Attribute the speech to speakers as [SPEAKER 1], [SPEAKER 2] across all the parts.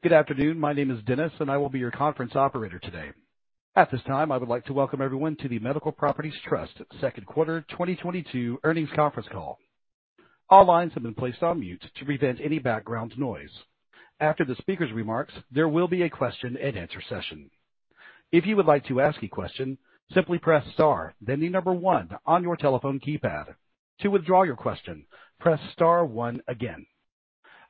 [SPEAKER 1] Good afternoon. My name is Dennis, and I will be your conference operator today. At this time, I would like to Welcome Everyone To The Medical Properties Trust Second Quarter 2022 Earnings Conference Call. All lines have been placed on mute to prevent any background noise. After the speaker's remarks, there will be a question-and-answer session. If you would like to ask a question, simply press Star, then the number 1 on your telephone keypad. To withdraw your question, press Star 1 again.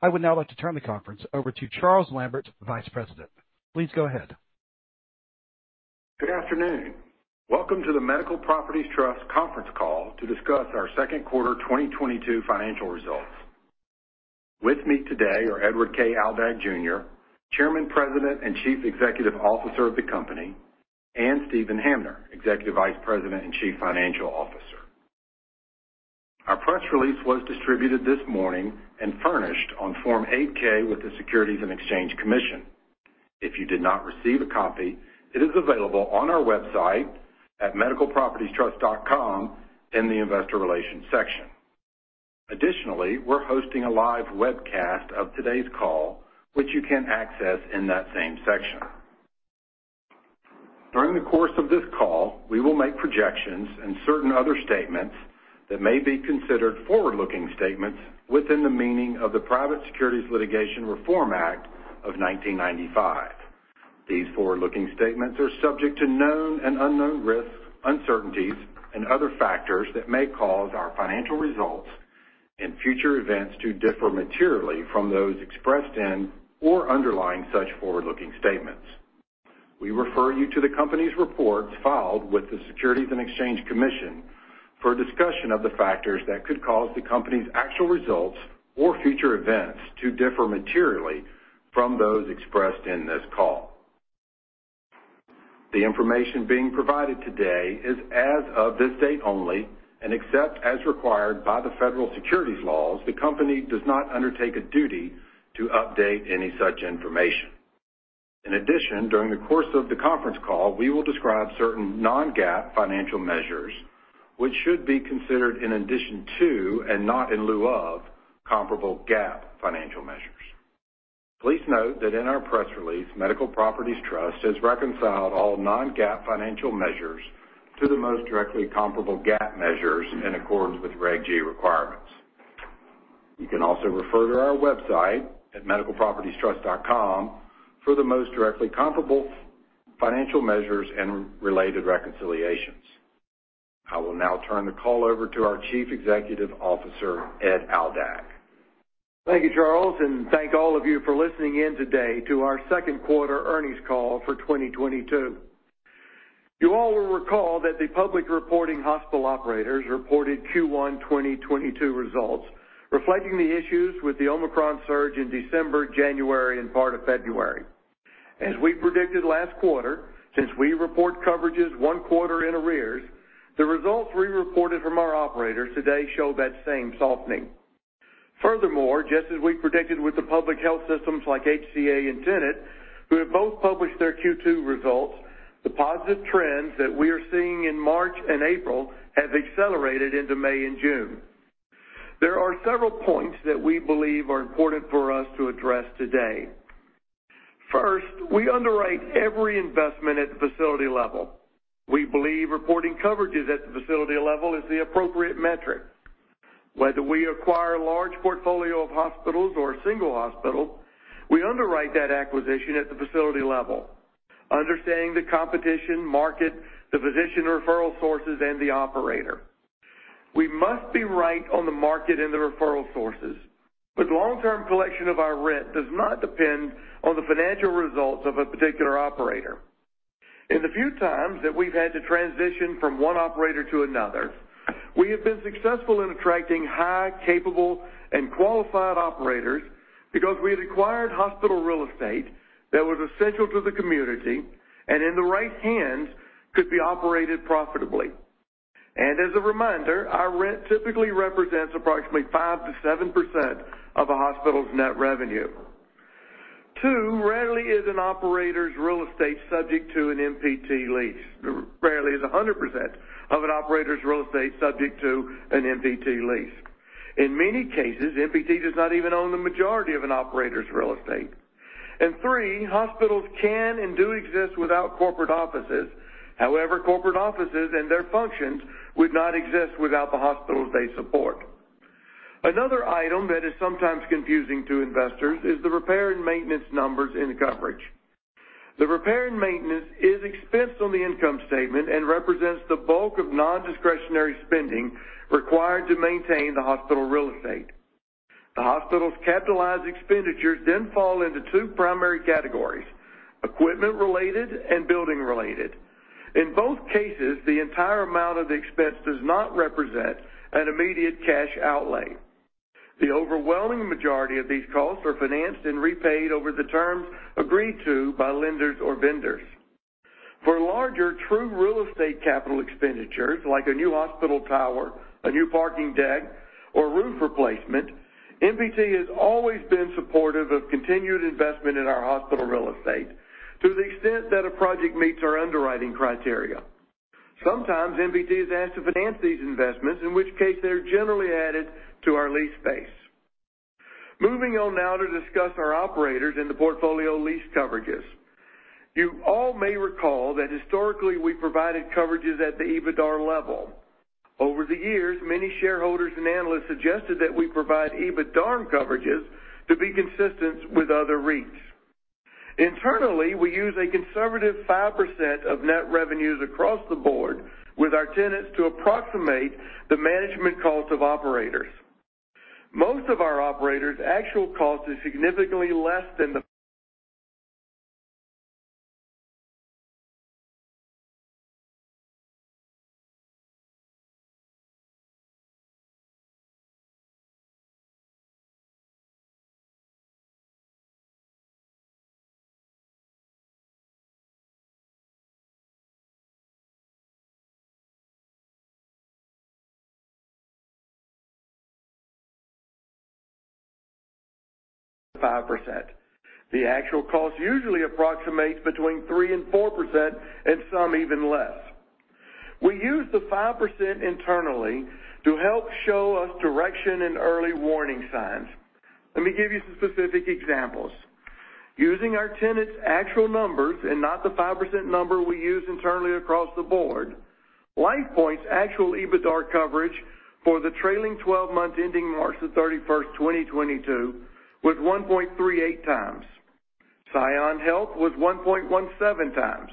[SPEAKER 1] I would now like to turn the conference over to Charles Lambert, Vice President. Please go ahead.
[SPEAKER 2] Good afternoon. Welcome to the Medical Properties Trust conference call to discuss our second quarter 2022 financial results. With me today are Edward K. Aldag, Jr., Chairman, President, and Chief Executive Officer of the company, and Steven Hamner, Executive Vice President and Chief Financial Officer. Our press release was distributed this morning and furnished on Form 8-K with the Securities and Exchange Commission. If you did not receive a copy, it is available on our website at medicalpropertiestrust.com in the investor relations section. Additionally, we're hosting a live webcast of today's call, which you can access in that same section. During the course of this call, we will make projections and certain other statements that may be considered forward-looking statements within the meaning of the Private Securities Litigation Reform Act of 1995. These forward-looking statements are subject to known and unknown risks, uncertainties, and other factors that may cause our financial results and future events to differ materially from those expressed in or underlying such forward-looking statements. We refer you to the company's reports filed with the Securities and Exchange Commission for a discussion of the factors that could cause the company's actual results or future events to differ materially from those expressed in this call. The information being provided today is as of this date only, and except as required by the federal securities laws, the company does not undertake a duty to update any such information. In addition, during the course of the conference call, we will describe certain non-GAAP financial measures, which should be considered in addition to, and not in lieu of, comparable GAAP financial measures. Please note that in our press release, Medical Properties Trust has reconciled all non-GAAP financial measures to the most directly comparable GAAP measures in accordance with Reg. G requirements. You can also refer to our website at medicalpropertiestrust.com for the most directly comparable financial measures and related reconciliations. I will now turn the call over to our Chief Executive Officer, Ed Aldag.
[SPEAKER 3] Thank you, Charles, and thank all of you for listening in today to our second quarter earnings call for 2022. You all will recall that the public reporting hospital operators reported Q1 2022 results, reflecting the issues with the Omicron surge in December, January, and part of February. As we predicted last quarter, since we report coverages one quarter in arrears, the results we reported from our operators today show that same softening. Furthermore, just as we predicted with the public health systems like HCA and Tenet, who have both published their Q2 results, the positive trends that we are seeing in March and April have accelerated into May and June. There are several points that we believe are important for us to address today. First, we underwrite every investment at the facility level. We believe reporting coverages at the facility level is the appropriate metric. Whether we acquire a large portfolio of hospitals or a single hospital, we underwrite that acquisition at the facility level, understanding the competition, market, the physician referral sources, and the operator. We must be right on the market and the referral sources, but long-term collection of our rent does not depend on the financial results of a particular operator. In the few times that we've had to transition from one operator to another, we have been successful in attracting high, capable, and qualified operators because we had acquired hospital real estate that was essential to the community and in the right hands could be operated profitably. As a reminder, our rent typically represents approximately 5%-7% of a hospital's net revenue. 2, rarely is an operator's real estate subject to an MPT lease. Rarely is 100% of an operator's real estate subject to an MPT lease. In many cases, MPT does not even own the majority of an operator's real estate. Three, hospitals can and do exist without corporate offices. However, corporate offices and their functions would not exist without the hospitals they support. Another item that is sometimes confusing to investors is the repair and maintenance numbers in the coverage. The repair and maintenance is expensed on the income statement and represents the bulk of non-discretionary spending required to maintain the hospital real estate. The hospital's capitalized expenditures then fall into two primary categories, equipment-related and building-related. In both cases, the entire amount of the expense does not represent an immediate cash outlay. The overwhelming majority of these costs are financed and repaid over the terms agreed to by lenders or vendors. For larger, true real estate capital expenditures, like a new hospital tower, a new parking deck, or roof replacement, MPT has always been supportive of continued investment in our hospital real estate to the extent that a project meets our underwriting criteria. Sometimes MPT is asked to finance these investments, in which case they're generally added to our lease base. Moving on now to discuss our operators and the portfolio lease coverages. You all may recall that historically, we provided coverages at the EBITDAR level. Over the years, many shareholders and analysts suggested that we provide EBITDARM coverages to be consistent with other REITs. Internally, we use a conservative 5% of net revenues across the board with our tenants to approximate the management cost of operators. Most of our operators' actual cost is significantly less than the 5%. The actual cost usually approximates between 3% and 4%, and some even less. We use the 5% internally to help show us direction and early warning signs. Let me give you some specific examples. Using our tenants' actual numbers and not the 5% number we use internally across the board, LifePoint Health's actual EBITDAR coverage for the trailing twelve months ending March 31, 2022 was 1.38x. ScionHealth was 1.17x.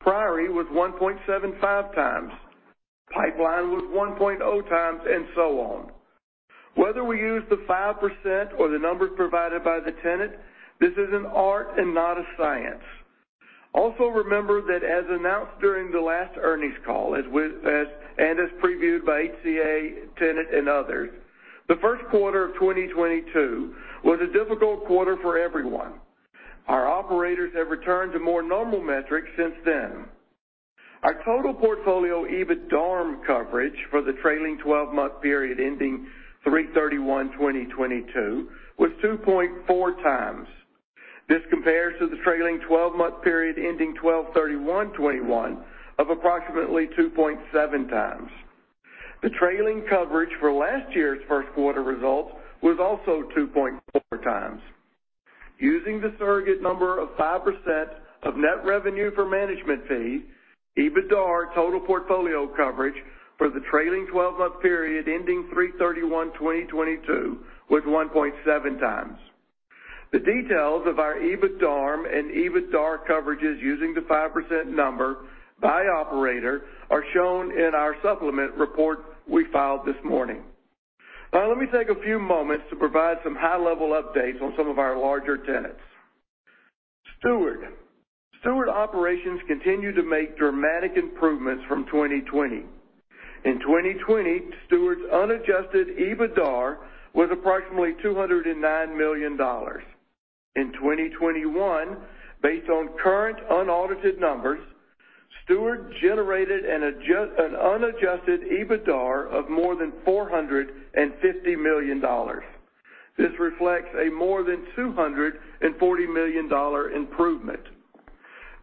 [SPEAKER 3] Priory was 1.75x. Pipeline was 1.0x, and so on. Whether we use the 5% or the numbers provided by the tenant, this is an art and not a science. Remember that as announced during the last earnings call, and as previewed by HCA, tenet, and others, the first quarter of 2022 was a difficult quarter for everyone. Our operators have returned to more normal metrics since then. Our total portfolio EBITDARM coverage for the trailing twelve-month period ending 3/31/2022 was 2.4 times. This compares to the trailing twelve-month period ending 12/31/2021 of approximately 2.7 times. The trailing coverage for last year's first quarter results was also 2.4 times. Using the surrogate number of 5% of net revenue for management fee, EBITDAR total portfolio coverage for the trailing twelve-month period ending 3/31/2022 was 1.7 times. The details of our EBITDARM and EBITDAR coverages using the 5% number by operator are shown in our supplement report we filed this morning. Now, let me take a few moments to provide some high-level updates on some of our larger tenants. Steward. Steward operations continue to make dramatic improvements from 2020. In 2020, Steward's unadjusted EBITDAR was approximately $209 million. In 2021, based on current unaudited numbers, Steward generated an unadjusted EBITDAR of more than $450 million. This reflects a more than $240 million improvement.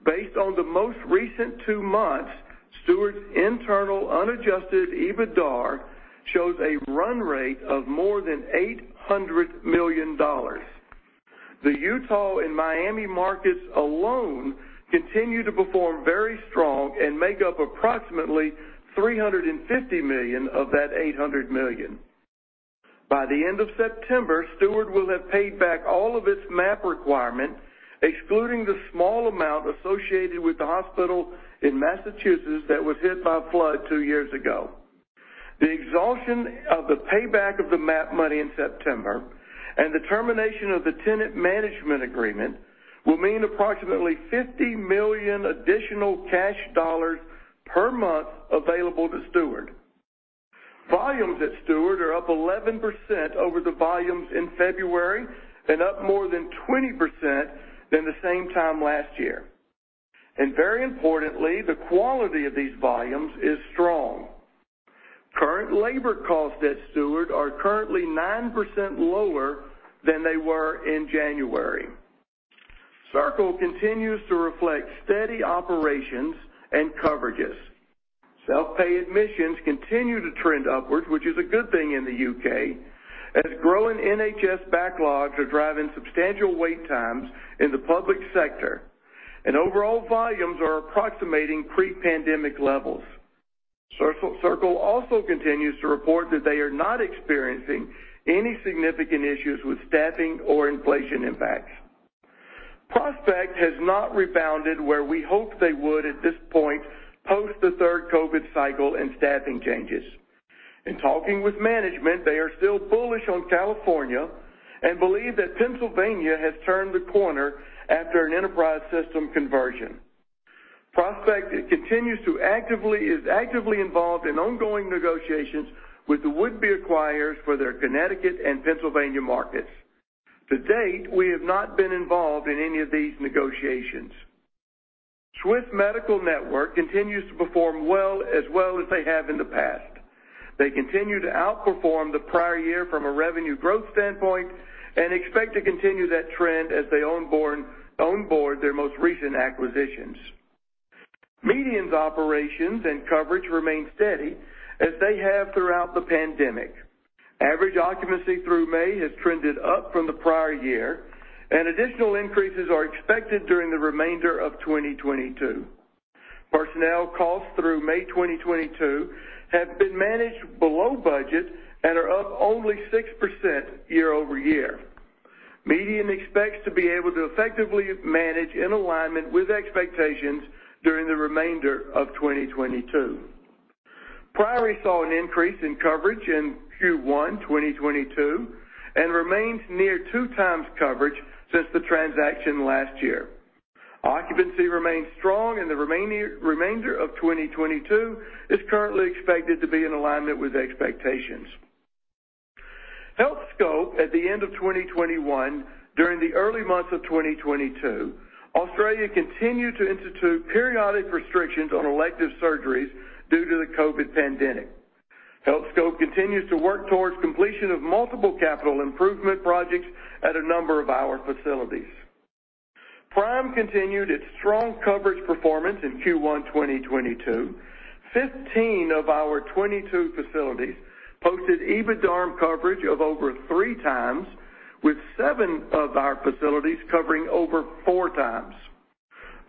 [SPEAKER 3] Based on the most recent two months, Steward's internal unadjusted EBITDAR shows a run rate of more than $800 million. The Utah and Miami markets alone continue to perform very strong and make up approximately $350 million of that $800 million. By the end of September, Steward will have paid back all of its MAP requirement, excluding the small amount associated with the hospital in Massachusetts that was hit by a flood two years ago. The exhaustion of the payback of the MAP money in September and the termination of the tenant management agreement will mean approximately $50 million additional cash dollars per month available to Steward. Volumes at Steward are up 11% over the volumes in February and up more than 20% than the same time last year. Very importantly, the quality of these volumes is strong. Current labor costs at Steward are currently 9% lower than they were in January. Circle continues to reflect steady operations and coverages. Self-pay admissions continue to trend upwards, which is a good thing in the UK, as growing NHS backlogs are driving substantial wait times in the public sector, and overall volumes are approximating pre-pandemic levels. Circle also continues to report that they are not experiencing any significant issues with staffing or inflation impacts. Prospect has not rebounded where we hoped they would at this point, post the third COVID cycle and staffing changes. In talking with management, they are still bullish on California and believe that Pennsylvania has turned the corner after an enterprise system conversion. Prospect is actively involved in ongoing negotiations with the would-be acquirers for their Connecticut and Pennsylvania markets. To date, we have not been involved in any of these negotiations. Steward continues to perform well, as well as they have in the past. They continue to outperform the prior year from a revenue growth standpoint and expect to continue that trend as they on board their most recent acquisitions. MEDIAN's operations and coverage remain steady as they have throughout the pandemic. Average occupancy through May has trended up from the prior year, and additional increases are expected during the remainder of 2022. Personnel costs through May 2022 have been managed below budget and are up only 6% year-over-year. MEDIAN expects to be able to effectively manage in alignment with expectations during the remainder of 2022. Priory saw an increase in coverage in Q1 2022 and remains near 2 times coverage since the transaction last year. Occupancy remains strong, and the remainder of 2022 is currently expected to be in alignment with expectations. Healthscope at the end of 2021, during the early months of 2022, Australia continued to institute periodic restrictions on elective surgeries due to the COVID pandemic. Healthscope continues to work towards completion of multiple capital improvement projects at a number of our facilities. Prime continued its strong coverage performance in Q1 2022. 15 of our 22 facilities posted EBITDARM coverage of over 3x, with 7 of our facilities covering over 4x.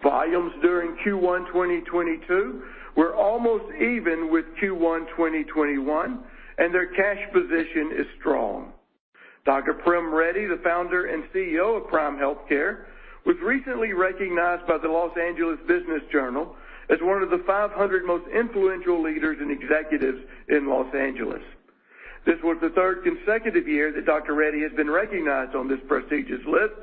[SPEAKER 3] Volumes during Q1 2022 were almost even with Q1 2021, and their cash position is strong. Dr. Prem Reddy, the founder and CEO of Prime Healthcare, was recently recognized by the Los Angeles Business Journal as one of the 500 most influential leaders and executives in Los Angeles. This was the third consecutive year that Dr. Prem Reddy has been recognized on this prestigious list.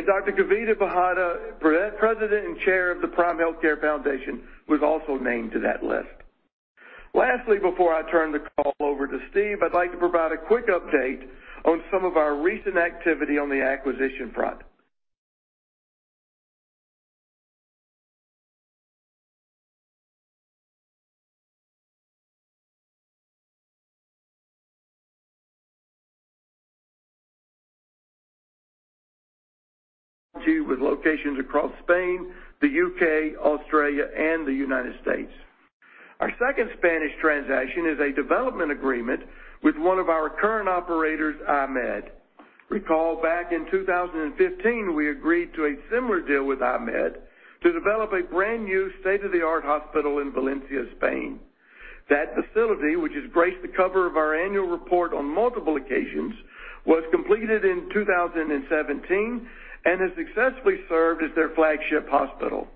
[SPEAKER 3] Dr. Kavitha Bhatia, President and Chair of the Prime Healthcare Foundation, was also named to that list. Lastly, before I turn the call over to Steven, I'd like to provide a quick update on some of our recent activity on the acquisition front. With locations across Spain, the UK, Australia, and the United States. Our second Spanish transaction is a development agreement with one of our current operators, IMED. Recall, back in 2015, we agreed to a similar deal with IMED to develop a brand-new state-of-the-art hospital in Valencia, Spain. That facility, which has graced the cover of our annual report on multiple occasions, was completed in 2017 and has successfully served as their flagship hospital.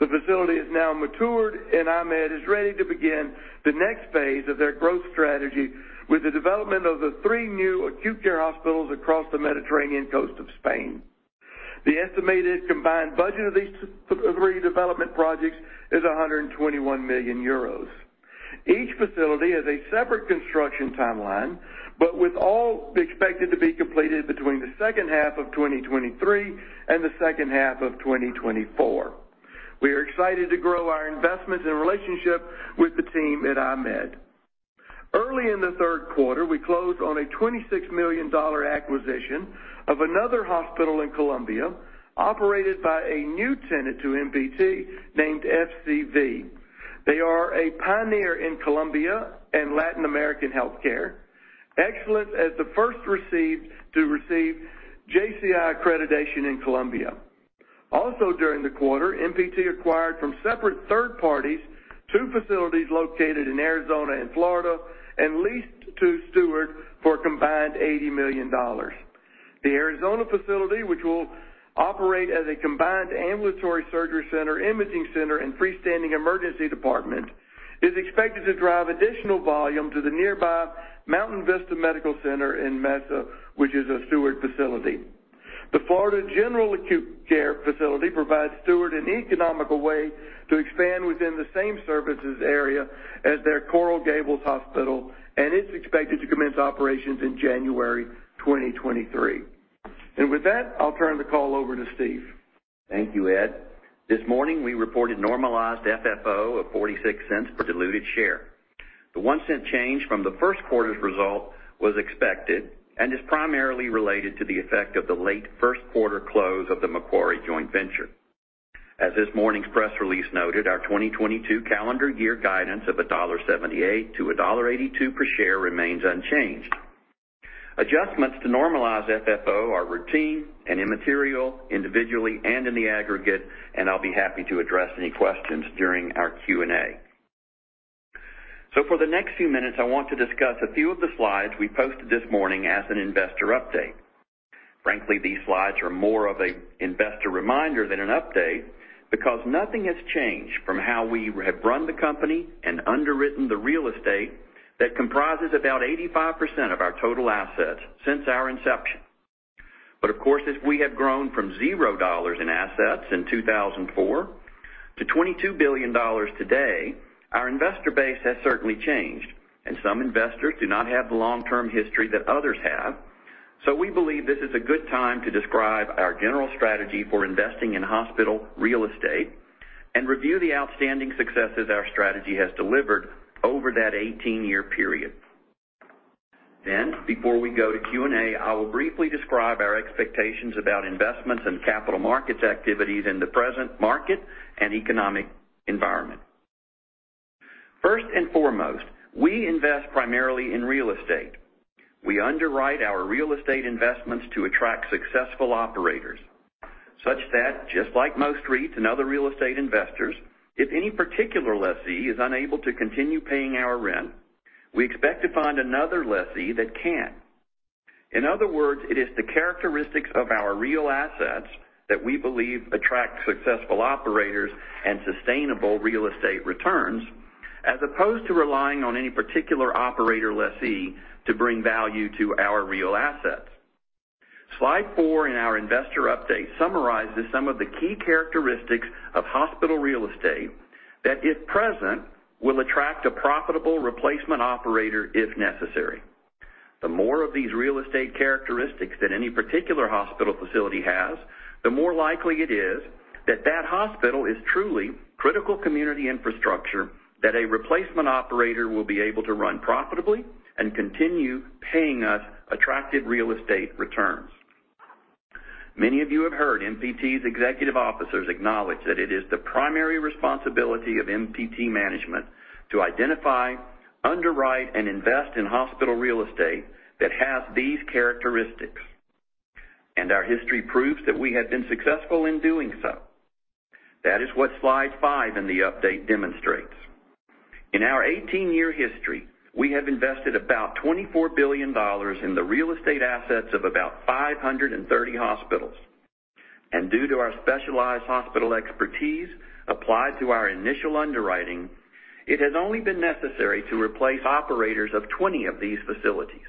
[SPEAKER 3] The facility has now matured, and IMED is ready to begin the next phase of their growth strategy with the development of the three new acute care hospitals across the Mediterranean coast of Spain. The estimated combined budget of these three development projects is 121 million euros. Each facility has a separate construction timeline, but with all expected to be completed between the second half of 2023 and the second half of 2024. We are excited to grow our investments and relationship with the team at IMED. Early in the third quarter, we closed on a $26 million acquisition of another hospital in Colombia, operated by a new tenant to MPT, named FCV. They are a pioneer in Colombia and Latin American healthcare, as the first to receive JCI accreditation in Colombia. Also, during the quarter, MPT acquired from separate third parties 2 facilities located in Arizona and Florida, and leased to Steward for a combined $80 million. The Arizona facility, which will operate as a combined ambulatory surgery center, imaging center, and freestanding emergency department, is expected to drive additional volume to the nearby Mountain Vista Medical Center in Mesa, which is a Steward facility. The Florida General Acute Care Facility provides Steward an economical way to expand within the same service area as their Coral Gables Hospital, and it's expected to commence operations in January 2023. With that, I'll turn the call over to Steve.
[SPEAKER 4] Thank you, Ed. This morning, we reported Normalized FFO of $0.46 per diluted share. The 1 cent change from the first quarter's result was expected and is primarily related to the effect of the late first quarter close of the Macquarie joint venture. As this morning's press release noted, our 2022 calendar year guidance of $1.78-$1.82 per share remains unchanged. Adjustments to Normalized FFO are routine and immaterial individually and in the aggregate, and I'll be happy to address any questions during our Q&A. For the next few minutes, I want to discuss a few of the slides we posted this morning as an investor update. Frankly, these slides are more of an investor reminder than an update because nothing has changed from how we have run the company and underwritten the real estate that comprises about 85% of our total assets since our inception. Of course, as we have grown from $0 in assets in 2004 to $22 billion today, our investor base has certainly changed, and some investors do not have the long-term history that others have. We believe this is a good time to describe our general strategy for investing in hospital real estate and review the outstanding successes our strategy has delivered over that 18-year period. Before we go to Q&A, I will briefly describe our expectations about investments and capital markets activities in the present market and economic environment. First and foremost, we invest primarily in real estate. We underwrite our real estate investments to attract successful operators, such that just like most REITs and other real estate investors, if any particular lessee is unable to continue paying our rent, we expect to find another lessee that can. In other words, it is the characteristics of our real assets that we believe attract successful operators and sustainable real estate returns, as opposed to relying on any particular operator lessee to bring value to our real assets. Slide four in our investor update summarizes some of the key characteristics of hospital real estate that, if present, will attract a profitable replacement operator if necessary. The more of these real estate characteristics that any particular hospital facility has, the more likely it is that that hospital is truly critical community infrastructure that a replacement operator will be able to run profitably and continue paying us attractive real estate returns. Many of you have heard MPT's executive officers acknowledge that it is the primary responsibility of MPT management to identify, underwrite, and invest in hospital real estate that has these characteristics, and our history proves that we have been successful in doing so. That is what slide 5 in the update demonstrates. In our 18-year history, we have invested about $24 billion in the real estate assets of about 530 hospitals. Due to our specialized hospital expertise applied to our initial underwriting, it has only been necessary to replace operators of 20 of these facilities.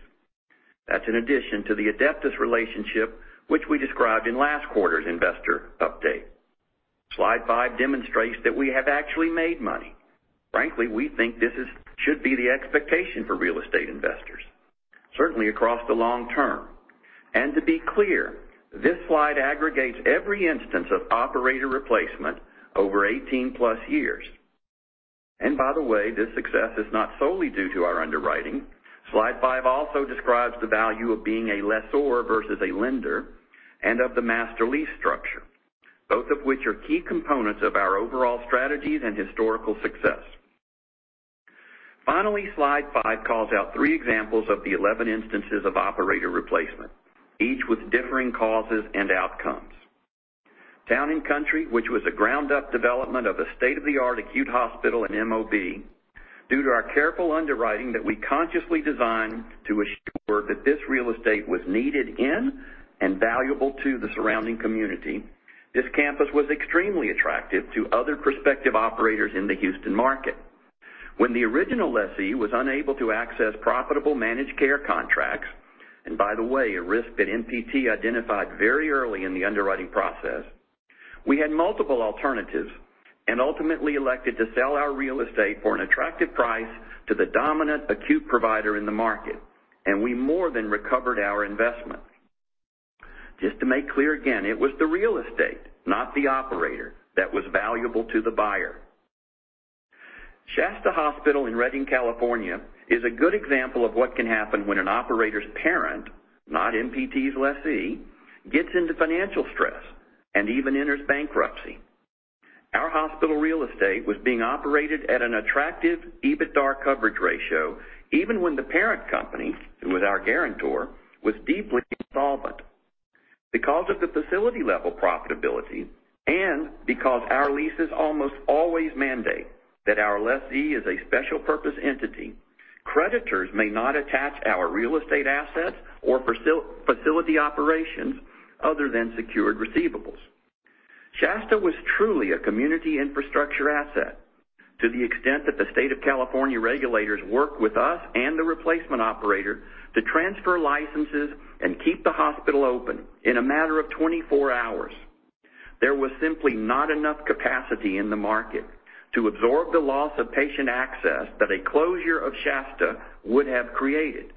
[SPEAKER 4] That's in addition to the Adeptus relationship, which we described in last quarter's investor update. Slide 5 demonstrates that we have actually made money. Frankly, we think this is, should be the expectation for real estate investors, certainly across the long term. To be clear, this slide aggregates every instance of operator replacement over 18-plus years. By the way, this success is not solely due to our underwriting. Slide 5 also describes the value of being a lessor versus a lender and of the master lease structure, both of which are key components of our overall strategies and historical success. Finally, slide 5 calls out three examples of the 11 instances of operator replacement, each with differing causes and outcomes. Town & Country, which was a ground-up development of a state-of-the-art acute hospital in MOB. Due to our careful underwriting that we consciously designed to assure that this real estate was needed in and valuable to the surrounding community, this campus was extremely attractive to other prospective operators in the Houston market. When the original lessee was unable to access profitable managed care contracts, and by the way, a risk that MPT identified very early in the underwriting process, we had multiple alternatives and ultimately elected to sell our real estate for an attractive price to the dominant acute provider in the market, and we more than recovered our investment. Just to make clear again, it was the real estate, not the operator, that was valuable to the buyer. Shasta Hospital in Redding, California, is a good example of what can happen when an operator's parent, not MPT's lessee, gets into financial stress and even enters bankruptcy. Our hospital real estate was being operated at an attractive EBITDAR coverage ratio, even when the parent company, who was our guarantor, was deeply insolvent. Because of the facility-level profitability and because our leases almost always mandate that our lessee is a special purpose entity, creditors may not attach our real estate assets or facility operations other than secured receivables. Shasta was truly a community infrastructure asset to the extent that the state of California regulators worked with us and the replacement operator to transfer licenses and keep the hospital open in a matter of 24 hours. There was simply not enough capacity in the market to absorb the loss of patient access that a closure of Shasta would have created.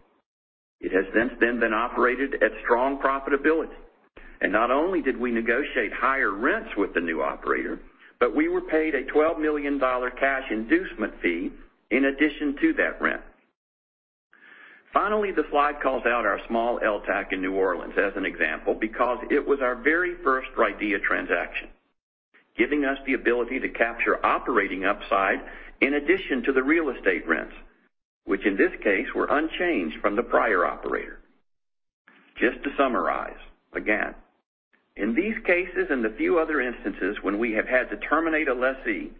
[SPEAKER 4] It has since then been operated at strong profitability. Not only did we negotiate higher rents with the new operator, but we were paid a $12 million cash inducement fee in addition to that rent. Finally, the slide calls out our small LTAC in New Orleans as an example because it was our very first RIDEA transaction, giving us the ability to capture operating upside in addition to the real estate rents, which in this case were unchanged from the prior operator. Just to summarize, again, in these cases and a few other instances when we have had to terminate a lessee,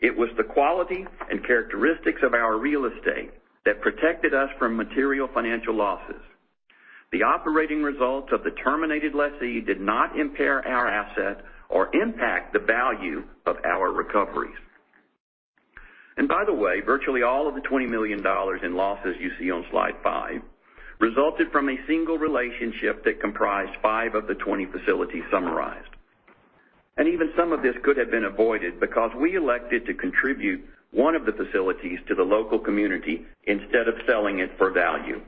[SPEAKER 4] it was the quality and characteristics of our real estate that protected us from material financial losses. The operating results of the terminated lessee did not impair our asset or impact the value of our recoveries. By the way, virtually all of the $20 million in losses you see on slide five resulted from a single relationship that comprised five of the 20 facilities summarized. Even some of this could have been avoided because we elected to contribute one of the facilities to the local community instead of selling it for value.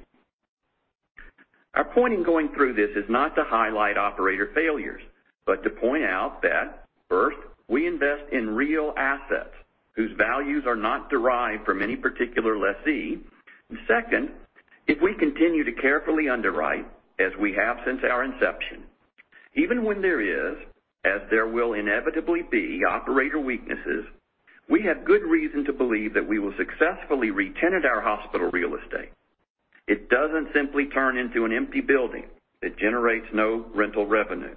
[SPEAKER 4] Our point in going through this is not to highlight operator failures, but to point out that first, we invest in real assets whose values are not derived from any particular lessee. Second, if we continue to carefully underwrite as we have since our inception, even when there is, as there will inevitably be, operator weaknesses, we have good reason to believe that we will successfully retenant our hospital real estate. It doesn't simply turn into an empty building that generates no rental revenue.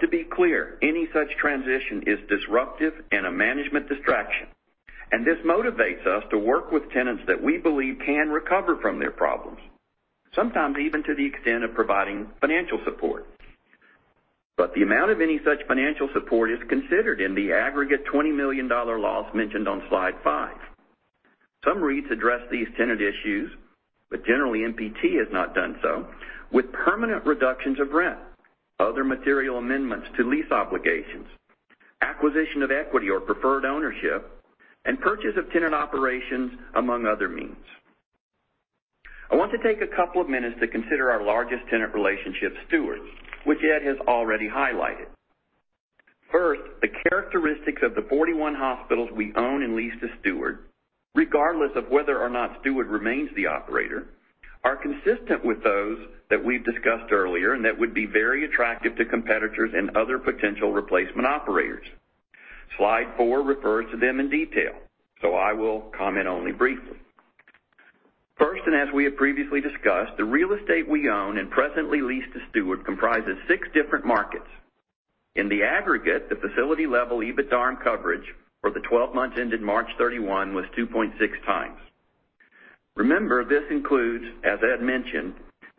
[SPEAKER 4] To be clear, any such transition is disruptive and a management distraction. This motivates us to work with tenants that we believe can recover from their problems, sometimes even to the extent of providing financial support. The amount of any such financial support is considered in the aggregate $20 million loss mentioned on slide 5. Some REITs address these tenant issues, but generally, MPT has not done so, with permanent reductions of rent, other material amendments to lease obligations, acquisition of equity or preferred ownership, and purchase of tenant operations, among other means. I want to take a couple of minutes to consider our largest tenant relationship, Steward, which Ed has already highlighted. First, the characteristics of the 41 hospitals we own and lease to Steward, regardless of whether or not Steward remains the operator, are consistent with those that we've discussed earlier and that would be very attractive to competitors and other potential replacement operators. Slide 4 refers to them in detail, so I will comment only briefly. First, as we have previously discussed, the real estate we own and presently lease to Steward comprises six different markets. In the aggregate, the facility-level EBITDARM coverage for the 12 months ended March 31 was 2.6 times. Remember, this includes, as Ed mentioned,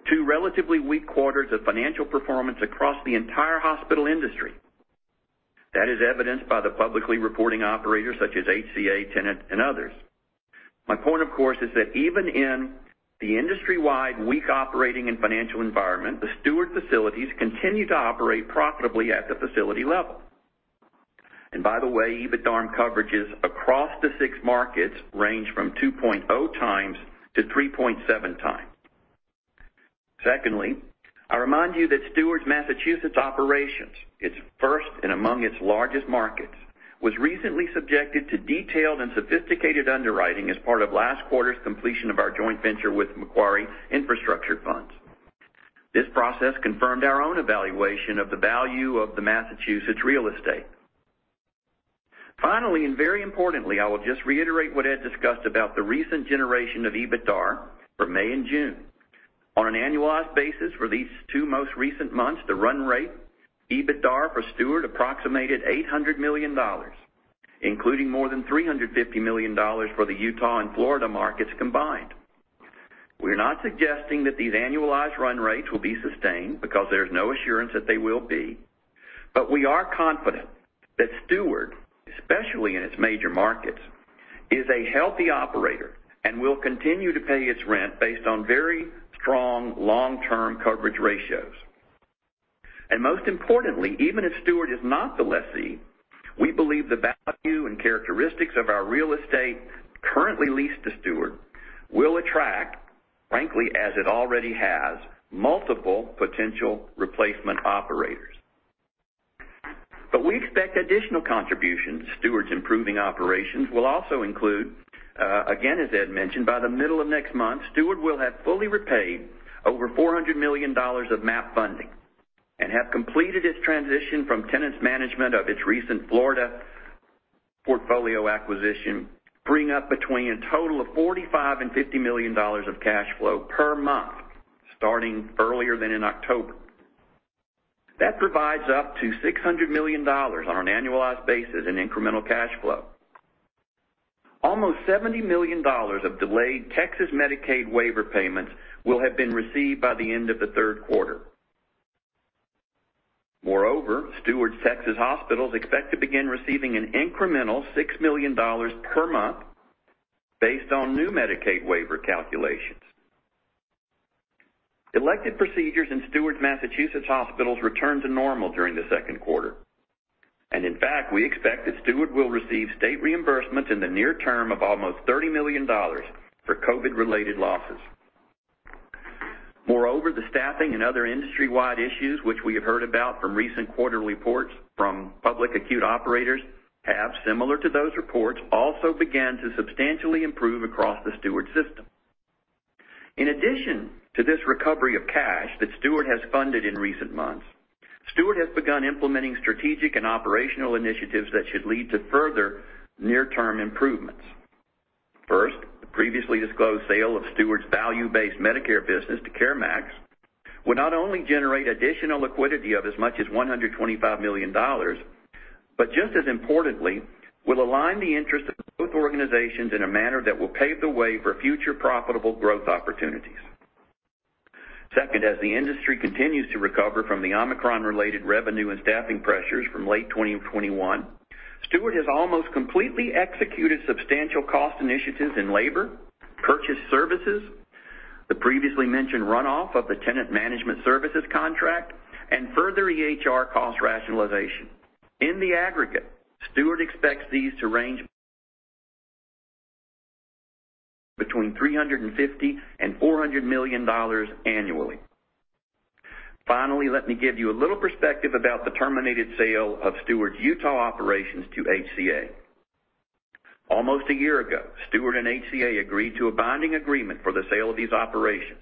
[SPEAKER 4] two relatively weak quarters of financial performance across the entire hospital industry. That is evidenced by the publicly reporting operators such as HCA, Tenet, and others. My point, of course, is that even in the industry-wide weak operating and financial environment, the Steward facilities continue to operate profitably at the facility level. By the way, EBITDARM coverages across the six markets range from 2.0 times to 3.7 times. Secondly, I remind you that Steward's Massachusetts operations, its first and among its largest markets, was recently subjected to detailed and sophisticated underwriting as part of last quarter's completion of our joint venture with `. This process confirmed our own evaluation of the value of the Massachusetts real estate. Finally, and very importantly, I will just reiterate what Ed discussed about the recent generation of EBITDAR for May and June. On an annualized basis for these two most recent months, the run rate EBITDAR for Steward approximated $800 million, including more than $350 million for the Utah and Florida markets combined. We're not suggesting that these annualized run rates will be sustained, because there's no assurance that they will be. We are confident that Steward, especially in its major markets, is a healthy operator, and will continue to pay its rent based on very strong long-term coverage ratios. Most importantly, even if Steward is not the lessee, we believe the value and characteristics of our real estate currently leased to Steward will attract, frankly, as it already has, multiple potential replacement operators. We expect additional contributions. Steward's improving operations will also include, again, as Ed mentioned, by the middle of next month, Steward will have fully repaid over $400 million of MAP funding and have completed its transition from Tenet's management of its recent Florida portfolio acquisition, freeing up between a total of $45 million and $50 million of cash flow per month, starting earlier than in October. That provides up to $600 million on an annualized basis in incremental cash flow. Almost $70 million of delayed Texas Medicaid waiver payments will have been received by the end of the third quarter. Moreover, Steward's Texas hospitals expect to begin receiving an incremental $6 million per month based on new Medicaid waiver calculations. Elective procedures in Steward's Massachusetts hospitals returned to normal during the second quarter, and in fact, we expect that Steward will receive state reimbursement in the near term of almost $30 million for COVID-related losses. Moreover, the staffing and other industry-wide issues which we have heard about from recent quarterly reports from public acute operators have, similar to those reports, also began to substantially improve across the Steward system. In addition to this recovery of cash that Steward has funded in recent months, Steward has begun implementing strategic and operational initiatives that should lead to further near-term improvements. First, the previously disclosed sale of Steward's value-based Medicare business to CareMax will not only generate additional liquidity of as much as $125 million, but just as importantly, will align the interests of both organizations in a manner that will pave the way for future profitable growth opportunities. Second, as the industry continues to recover from the Omicron-related revenue and staffing pressures from late 2021, Steward has almost completely executed substantial cost initiatives in labor, purchase services, the previously mentioned runoff of the tenant management services contract, and further EHR cost rationalization. In the aggregate, Steward expects these to range between $350 million and $400 million annually. Finally, let me give you a little perspective about the terminated sale of Steward's Utah operations to HCA. Almost a year ago, Steward and HCA agreed to a binding agreement for the sale of these operations.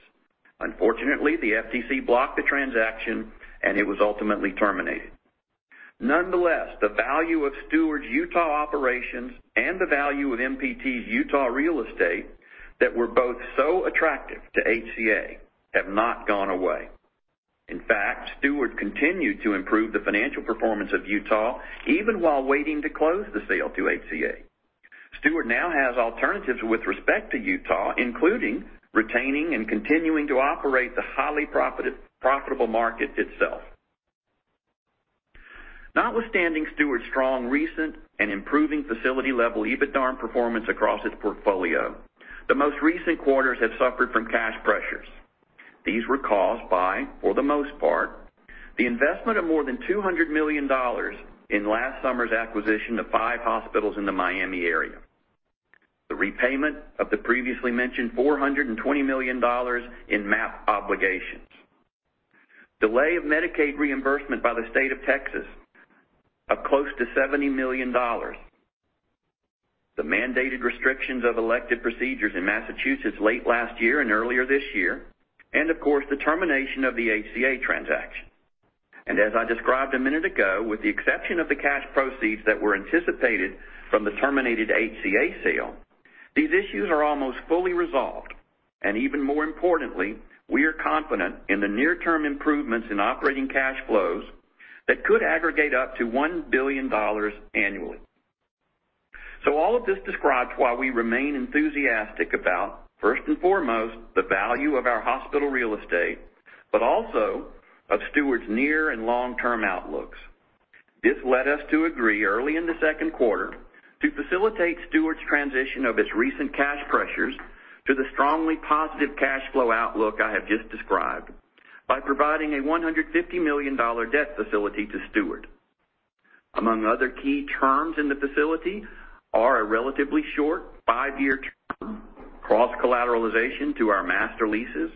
[SPEAKER 4] Unfortunately, the FTC blocked the transaction, and it was ultimately terminated. Nonetheless, the value of Steward's Utah operations and the value of MPT's Utah real estate that were both so attractive to HCA have not gone away. In fact, Steward continued to improve the financial performance of Utah even while waiting to close the sale to HCA. Steward now has alternatives with respect to Utah, including retaining and continuing to operate the highly profitable market itself. Notwithstanding Steward's strong recent and improving facility-level EBITDA performance across its portfolio, the most recent quarters have suffered from cash pressures. These were caused by, for the most part, the investment of more than $200 million in last summer's acquisition of five hospitals in the Miami area, the repayment of the previously mentioned $420 million in MAP obligations, delay of Medicaid reimbursement by the State of Texas of close to $70 million, the mandated restrictions of elective procedures in Massachusetts late last year and earlier this year, and of course, the termination of the HCA transaction. As I described a minute ago, with the exception of the cash proceeds that were anticipated from the terminated HCA sale, these issues are almost fully resolved. Even more importantly, we are confident in the near-term improvements in operating cash flows that could aggregate up to $1 billion annually. All of this describes why we remain enthusiastic about, first and foremost, the value of our hospital real estate, but also of Steward's near and long-term outlooks. This led us to agree early in the second quarter to facilitate Steward's transition of its recent cash pressures to the strongly positive cash flow outlook I have just described by providing a $150 million debt facility to Steward. Among other key terms in the facility are a relatively short five-year term, cross-collateralization to our master leases,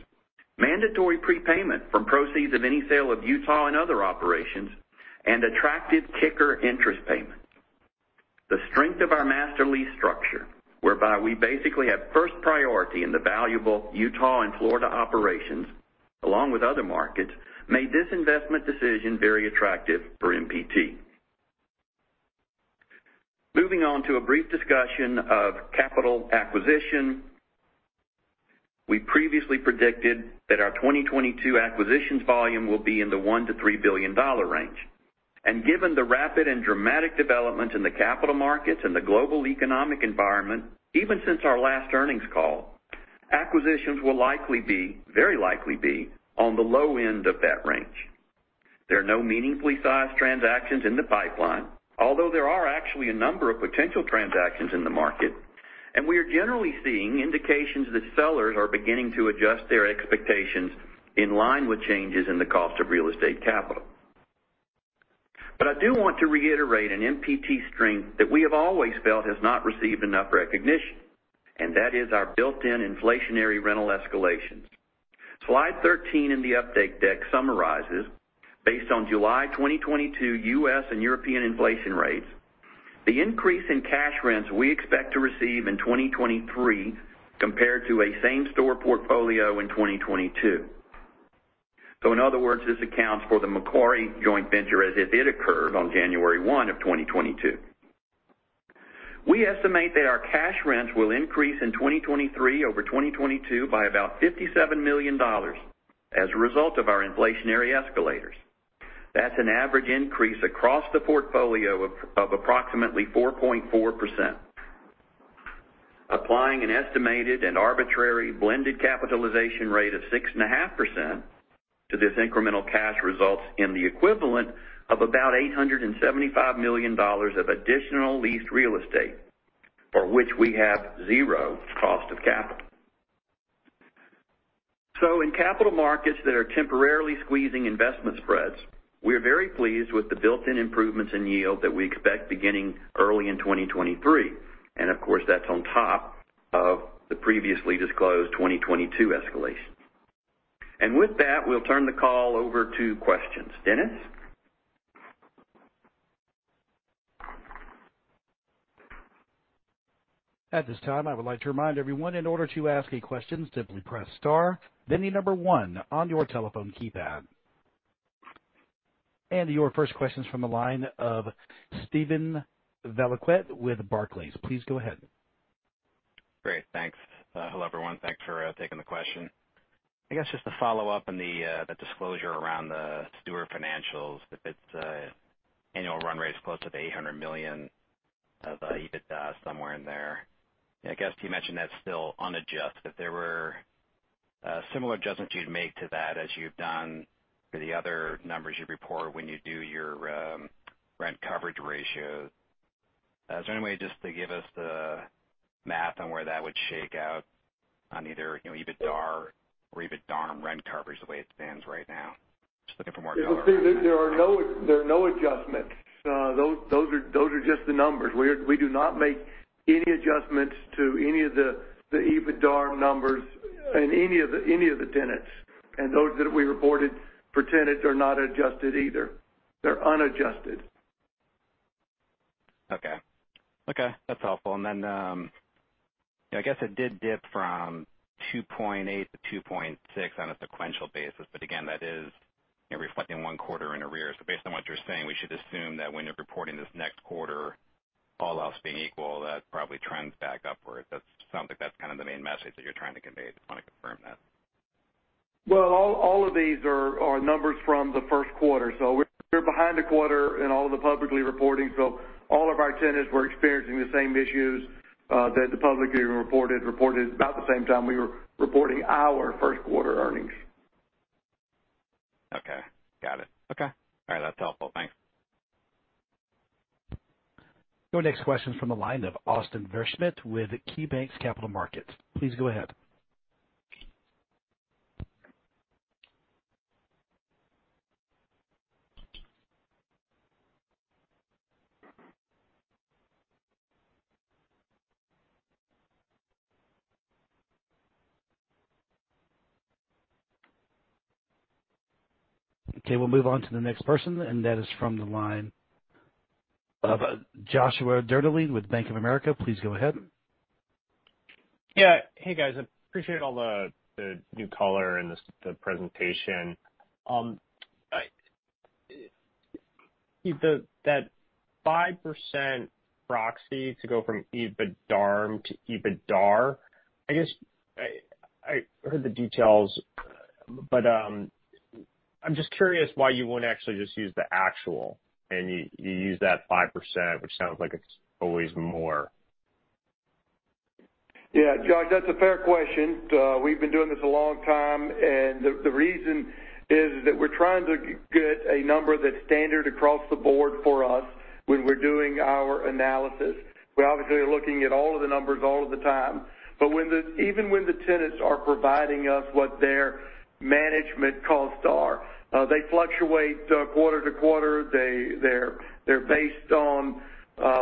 [SPEAKER 4] mandatory prepayment from proceeds of any sale of Utah and other operations, and attractive kicker interest payments. The strength of our master lease structure, whereby we basically have first priority in the valuable Utah and Florida operations along with other markets, made this investment decision very attractive for MPT. Moving on to a brief discussion of capital acquisition. We previously predicted that our 2022 acquisitions volume will be in the $1 billion-$3 billion range. Given the rapid and dramatic developments in the capital markets and the global economic environment, even since our last earnings call, acquisitions will likely be, very likely be on the low end of that range. There are no meaningfully sized transactions in the pipeline, although there are actually a number of potential transactions in the market, and we are generally seeing indications that sellers are beginning to adjust their expectations in line with changes in the cost of real estate capital. I do want to reiterate an MPT strength that we have always felt has not received enough recognition, and that is our built-in inflationary rental escalations. Slide 13 in the update deck summarizes, based on July 2022 US and European inflation rates, the increase in cash rents we expect to receive in 2023 compared to a same-store portfolio in 2022. In other words, this accounts for the Macquarie joint venture as if it occurred on January 1 of 2022. We estimate that our cash rents will increase in 2023 over 2022 by about $57 million as a result of our inflationary escalators. That's an average increase across the portfolio of approximately 4.4%. Applying an estimated and arbitrary blended capitalization rate of 6.5% to this incremental cash results in the equivalent of about $875 million of additional leased real estate, for which we have zero cost of capital. In capital markets that are temporarily squeezing investment spreads, we are very pleased with the built-in improvements in yield that we expect beginning early in 2023. Of course, that's on top of the previously disclosed 2022 escalation. With that, we'll turn the call over to questions. Dennis?
[SPEAKER 1] At this time, I would like to remind everyone, in order to ask a question, simply press star then the number one on your telephone keypad. Your first question's from the line of Steven Valiquette with Barclays. Please go ahead.
[SPEAKER 5] Great. Thanks. Hello, everyone. Thanks for taking the question. I guess just to follow up on the disclosure around the Steward financials, if it's annual run rate is close to the $800 million of EBITDA somewhere in there. I guess you mentioned that's still unadjusted. If there were a similar adjustment you'd make to that as you've done for the other numbers you report when you do your rent coverage ratio, is there any way just to give us the math on where that would shake out? On either, you know, EBITDAR or EBITDA and rent coverage the way it stands right now. Just looking for more color.
[SPEAKER 3] There are no adjustments. Those are just the numbers. We do not make any adjustments to any of the EBITDA numbers in any of the tenants. Those that we reported for tenants are not adjusted either. They're unadjusted.
[SPEAKER 5] Okay. Okay, that's helpful. Then, I guess it did dip from 2.8 to 2.6 on a sequential basis. Again, that is reflecting one quarter in arrears. Based on what you're saying, we should assume that when you're reporting this next quarter, all else being equal, that probably trends back upward. That sounds like that's kind of the main message that you're trying to convey. I just want to confirm that.
[SPEAKER 3] Well, all of these are numbers from the first quarter, so we're behind a quarter in all of the publicly reporting. All of our tenants were experiencing the same issues that the publicly reported about the same time we were reporting our first quarter earnings.
[SPEAKER 5] Okay, got it. Okay. All right. That's helpful. Thanks.
[SPEAKER 1] Your next question is from the line of Austin Wurschmidt with KeyBanc Capital Markets. Please go ahead. Okay, we'll move on to the next person, and that is from the line of Joshua Dennerlein with Bank of America. Please go ahead.
[SPEAKER 6] Yeah. Hey, guys. I appreciate all the new color and the presentation. That 5% proxy to go from EBITDA to EBITDAR, I guess I heard the details, but I'm just curious why you wouldn't actually just use the actual and you use that 5%, which sounds like it's always more.
[SPEAKER 3] Yeah, Josh, that's a fair question. We've been doing this a long time, and the reason is that we're trying to get a number that's standard across the board for us when we're doing our analysis. We're obviously looking at all of the numbers all of the time. But even when the tenants are providing us what their management costs are, they fluctuate quarter to quarter. They're based on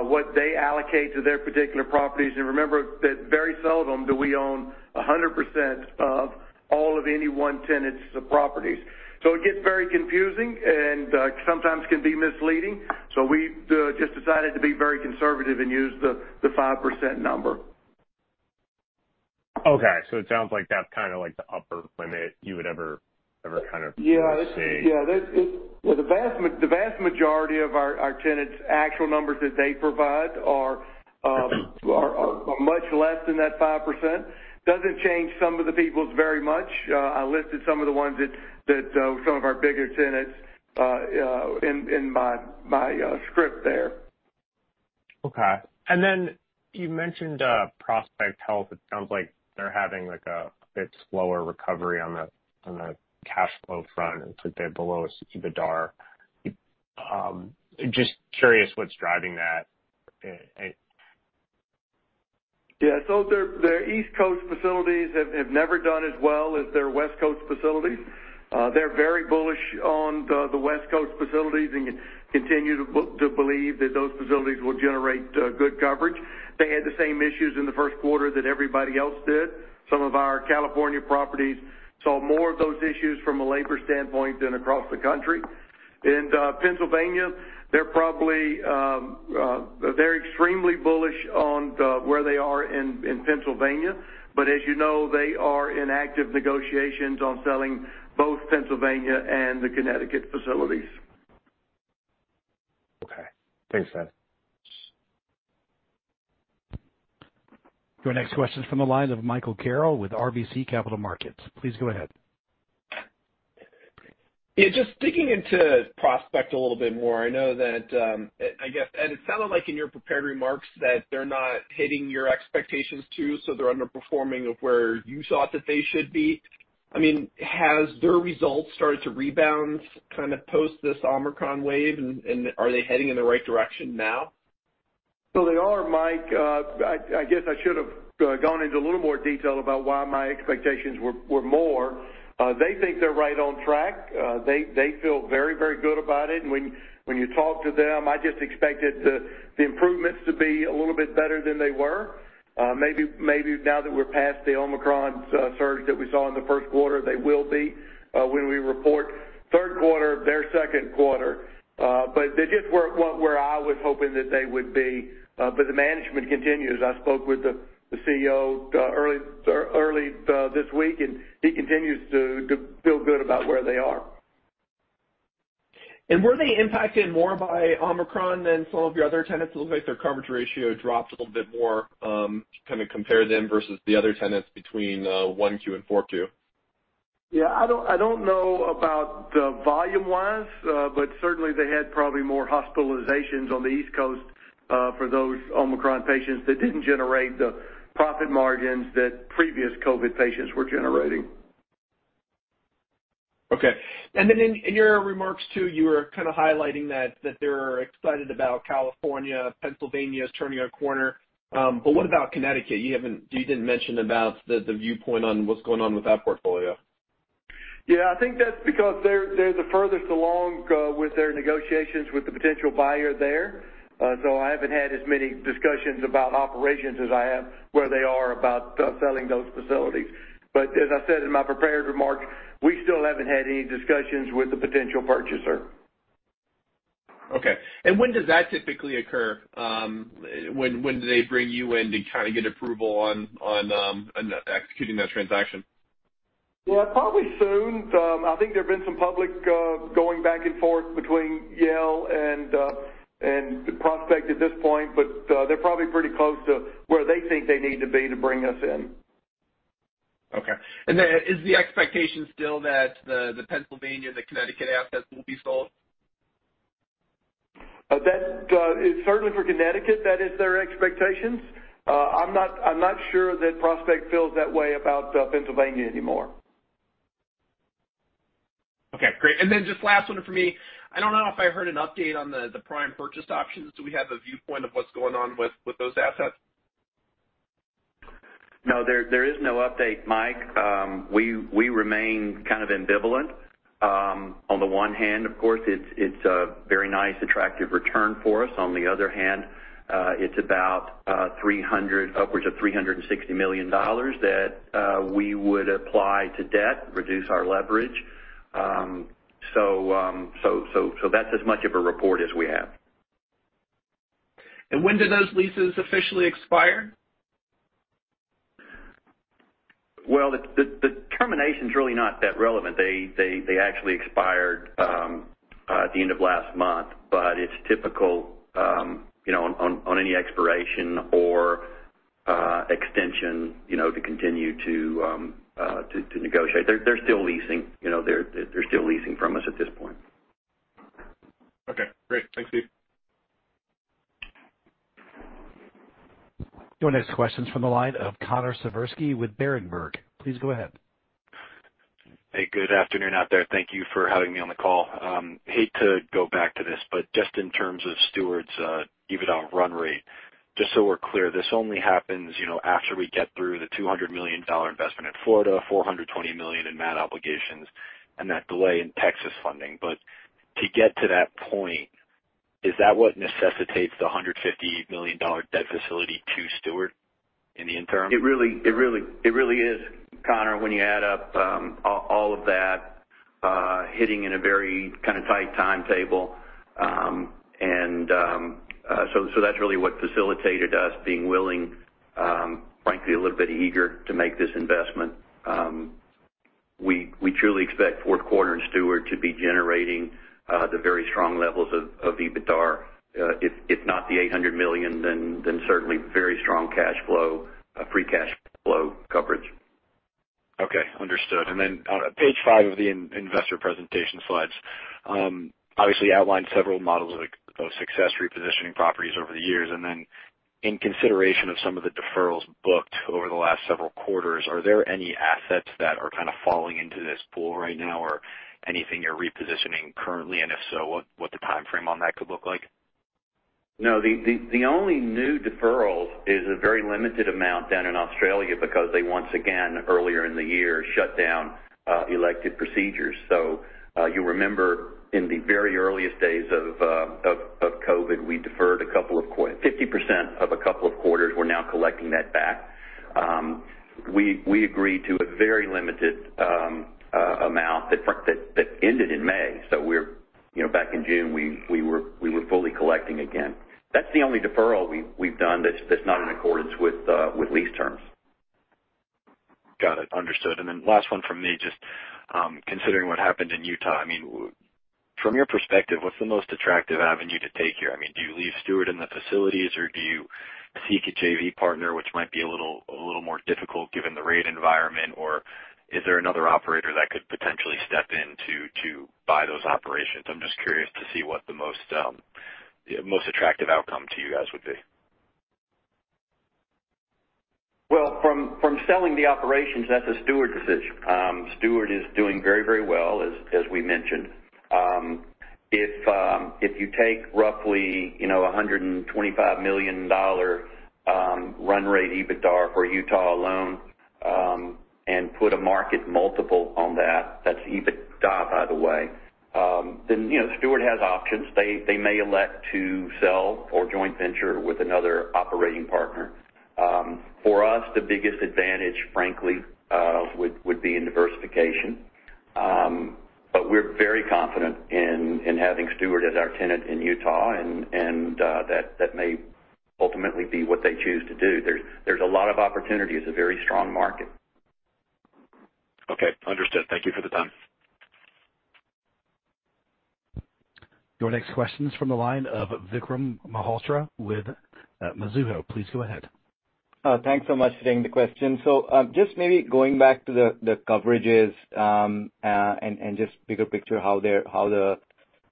[SPEAKER 3] what they allocate to their particular properties. And remember that very seldom do we own 100% of all of any one tenant's properties. So it gets very confusing and sometimes can be misleading. So we just decided to be very conservative and use the 5% number.
[SPEAKER 6] Okay. It sounds like that's kind of like the upper limit you would ever kind of see.
[SPEAKER 3] Yeah. The vast majority of our tenants' actual numbers that they provide are much less than that 5%. Doesn't change some of the people's very much. I listed some of the ones that some of our bigger tenants in my script there.
[SPEAKER 6] Okay. Then you mentioned Prospect Medical Holdings. It sounds like they're having, like, a bit slower recovery on the cash flow front. It's like they're below EBITDAR. Just curious what's driving that?
[SPEAKER 3] Yeah. Their East Coast facilities have never done as well as their West Coast facilities. They're very bullish on the West Coast facilities and continue to believe that those facilities will generate good coverage. They had the same issues in the first quarter that everybody else did. Some of our California properties saw more of those issues from a labor standpoint than across the country. Pennsylvania, they're probably extremely bullish on where they are in Pennsylvania. As you know, they are in active negotiations on selling both Pennsylvania and the Connecticut facilities.
[SPEAKER 6] Okay. Thanks, Ed.
[SPEAKER 1] Your next question is from the line of Michael Carroll with RBC Capital Markets. Please go ahead.
[SPEAKER 7] Yeah, just digging into Prospect a little bit more. I know that it sounded like in your prepared remarks that they're not hitting your expectations too, so they're underperforming of where you thought that they should be. I mean, has their results started to rebound kind of post this Omicron wave, and are they heading in the right direction now?
[SPEAKER 3] They are, Mike. I guess I should have gone into a little more detail about why my expectations were more. They think they're right on track. They feel very good about it. When you talk to them, I just expected the improvements to be a little bit better than they were. Maybe now that we're past the Omicron surge that we saw in the first quarter, they will be when we report third quarter, their second quarter. They just weren't where I was hoping that they would be. The management continues. I spoke with the CEO early this week, and he continues to feel good about where they are.
[SPEAKER 7] Were they impacted more by Omicron than some of your other tenants? It looks like their coverage ratio dropped a little bit more, to kind of compare them versus the other tenants between 1Q and 4Q.
[SPEAKER 3] Yeah, I don't know about the volume-wise, but certainly they had probably more hospitalizations on the East Coast for those Omicron patients that didn't generate the profit margins that previous COVID patients were generating.
[SPEAKER 7] Okay. Then in your remarks too, you were kind of highlighting that they're excited about California, Pennsylvania is turning a corner. What about Connecticut? You didn't mention about the viewpoint on what's going on with that portfolio.
[SPEAKER 3] Yeah, I think that's because they're the furthest along with their negotiations with the potential buyer there. I haven't had as many discussions about operations as I have where they are about selling those facilities. As I said in my prepared remarks, we still haven't had any discussions with the potential purchaser.
[SPEAKER 7] Okay. When does that typically occur? When do they bring you in to kind of get approval on executing that transaction?
[SPEAKER 3] Well, probably soon. I think there have been some public going back and forth between Yale and the Prospect at this point, but they're probably pretty close to where they think they need to be to bring us in.
[SPEAKER 7] Okay. Is the expectation still that the Pennsylvania and the Connecticut assets will be sold?
[SPEAKER 3] Certainly for Connecticut, that is their expectations. I'm not sure that Prospect feels that way about Pennsylvania anymore.
[SPEAKER 7] Okay, great. Just last one for me. I don't know if I heard an update on the Prime purchase options. Do we have a viewpoint of what's going on with those assets?
[SPEAKER 4] No, there is no update, Mike. We remain kind of ambivalent. On the one hand, of course, it's a very nice, attractive return for us. On the other hand, it's about upwards of $360 million that we would apply to debt, reduce our leverage. That's as much of a report as we have.
[SPEAKER 7] When do those leases officially expire?
[SPEAKER 4] Well, the termination's really not that relevant. They actually expired at the end of last month, but it's typical, you know, on any expiration or extension, you know, to continue to negotiate. They're still leasing. You know, they're still leasing from us at this point.
[SPEAKER 7] Okay, great. Thanks, Steve.
[SPEAKER 1] Your next question's from the line of Connor Siversky with Berenberg. Please go ahead.
[SPEAKER 8] Hey, good afternoon out there. Thank you for having me on the call. Hate to go back to this, but just in terms of Steward's EBITDA run rate, just so we're clear, this only happens, you know, after we get through the $200 million investment in Florida, $420 million in rent obligations, and that delay in Texas funding. To get to that point, is that what necessitates the $150 million debt facility to Steward in the interim?
[SPEAKER 4] It really is, Connor, when you add up all of that hitting in a very kind of tight timetable. That's really what facilitated us being willing, frankly, a little bit eager to make this investment. We truly expect fourth quarter in Steward to be generating the very strong levels of EBITDA. If not the $800 million, then certainly very strong cash flow, free cash flow coverage.
[SPEAKER 8] Okay, understood. On page 5 of the investor presentation slides, obviously outlined several models of success repositioning properties over the years. In consideration of some of the deferrals booked over the last several quarters, are there any assets that are kind of falling into this pool right now or anything you're repositioning currently? If so, what the timeframe on that could look like?
[SPEAKER 4] No, the only new deferrals is a very limited amount down in Australia because they once again, earlier in the year, shut down elective procedures. You remember in the very earliest days of COVID, we deferred 50% of a couple of quarters. We're now collecting that back. We agreed to a very limited amount that ended in May. We're, you know, back in June, we were fully collecting again. That's the only deferral we've done that's not in accordance with lease terms.
[SPEAKER 8] Got it. Understood. Last one from me, just considering what happened in Utah, I mean, from your perspective, what's the most attractive avenue to take here? I mean, do you leave Steward in the facilities, or do you seek a JV partner, which might be a little more difficult given the rate environment? Or is there another operator that could potentially step in to buy those operations? I'm just curious to see what the most attractive outcome to you guys would be.
[SPEAKER 4] Well, from selling the operations, that's a Steward decision. Steward is doing very well, as we mentioned. If you take roughly, you know, $125 million run rate EBITDA for Utah alone, and put a market multiple on that's EBITDA, by the way, then, you know, Steward has options. They may elect to sell or joint venture with another operating partner. For us, the biggest advantage, frankly, would be in diversification. We're very confident in having Steward as our tenant in Utah and that may ultimately be what they choose to do. There's a lot of opportunity. It's a very strong market.
[SPEAKER 8] Okay. Understood. Thank you for the time.
[SPEAKER 1] Your next question is from the line of Vikram Malhotra with Mizuho. Please go ahead.
[SPEAKER 9] Thanks so much for taking the question. Just maybe going back to the coverages and just bigger picture how the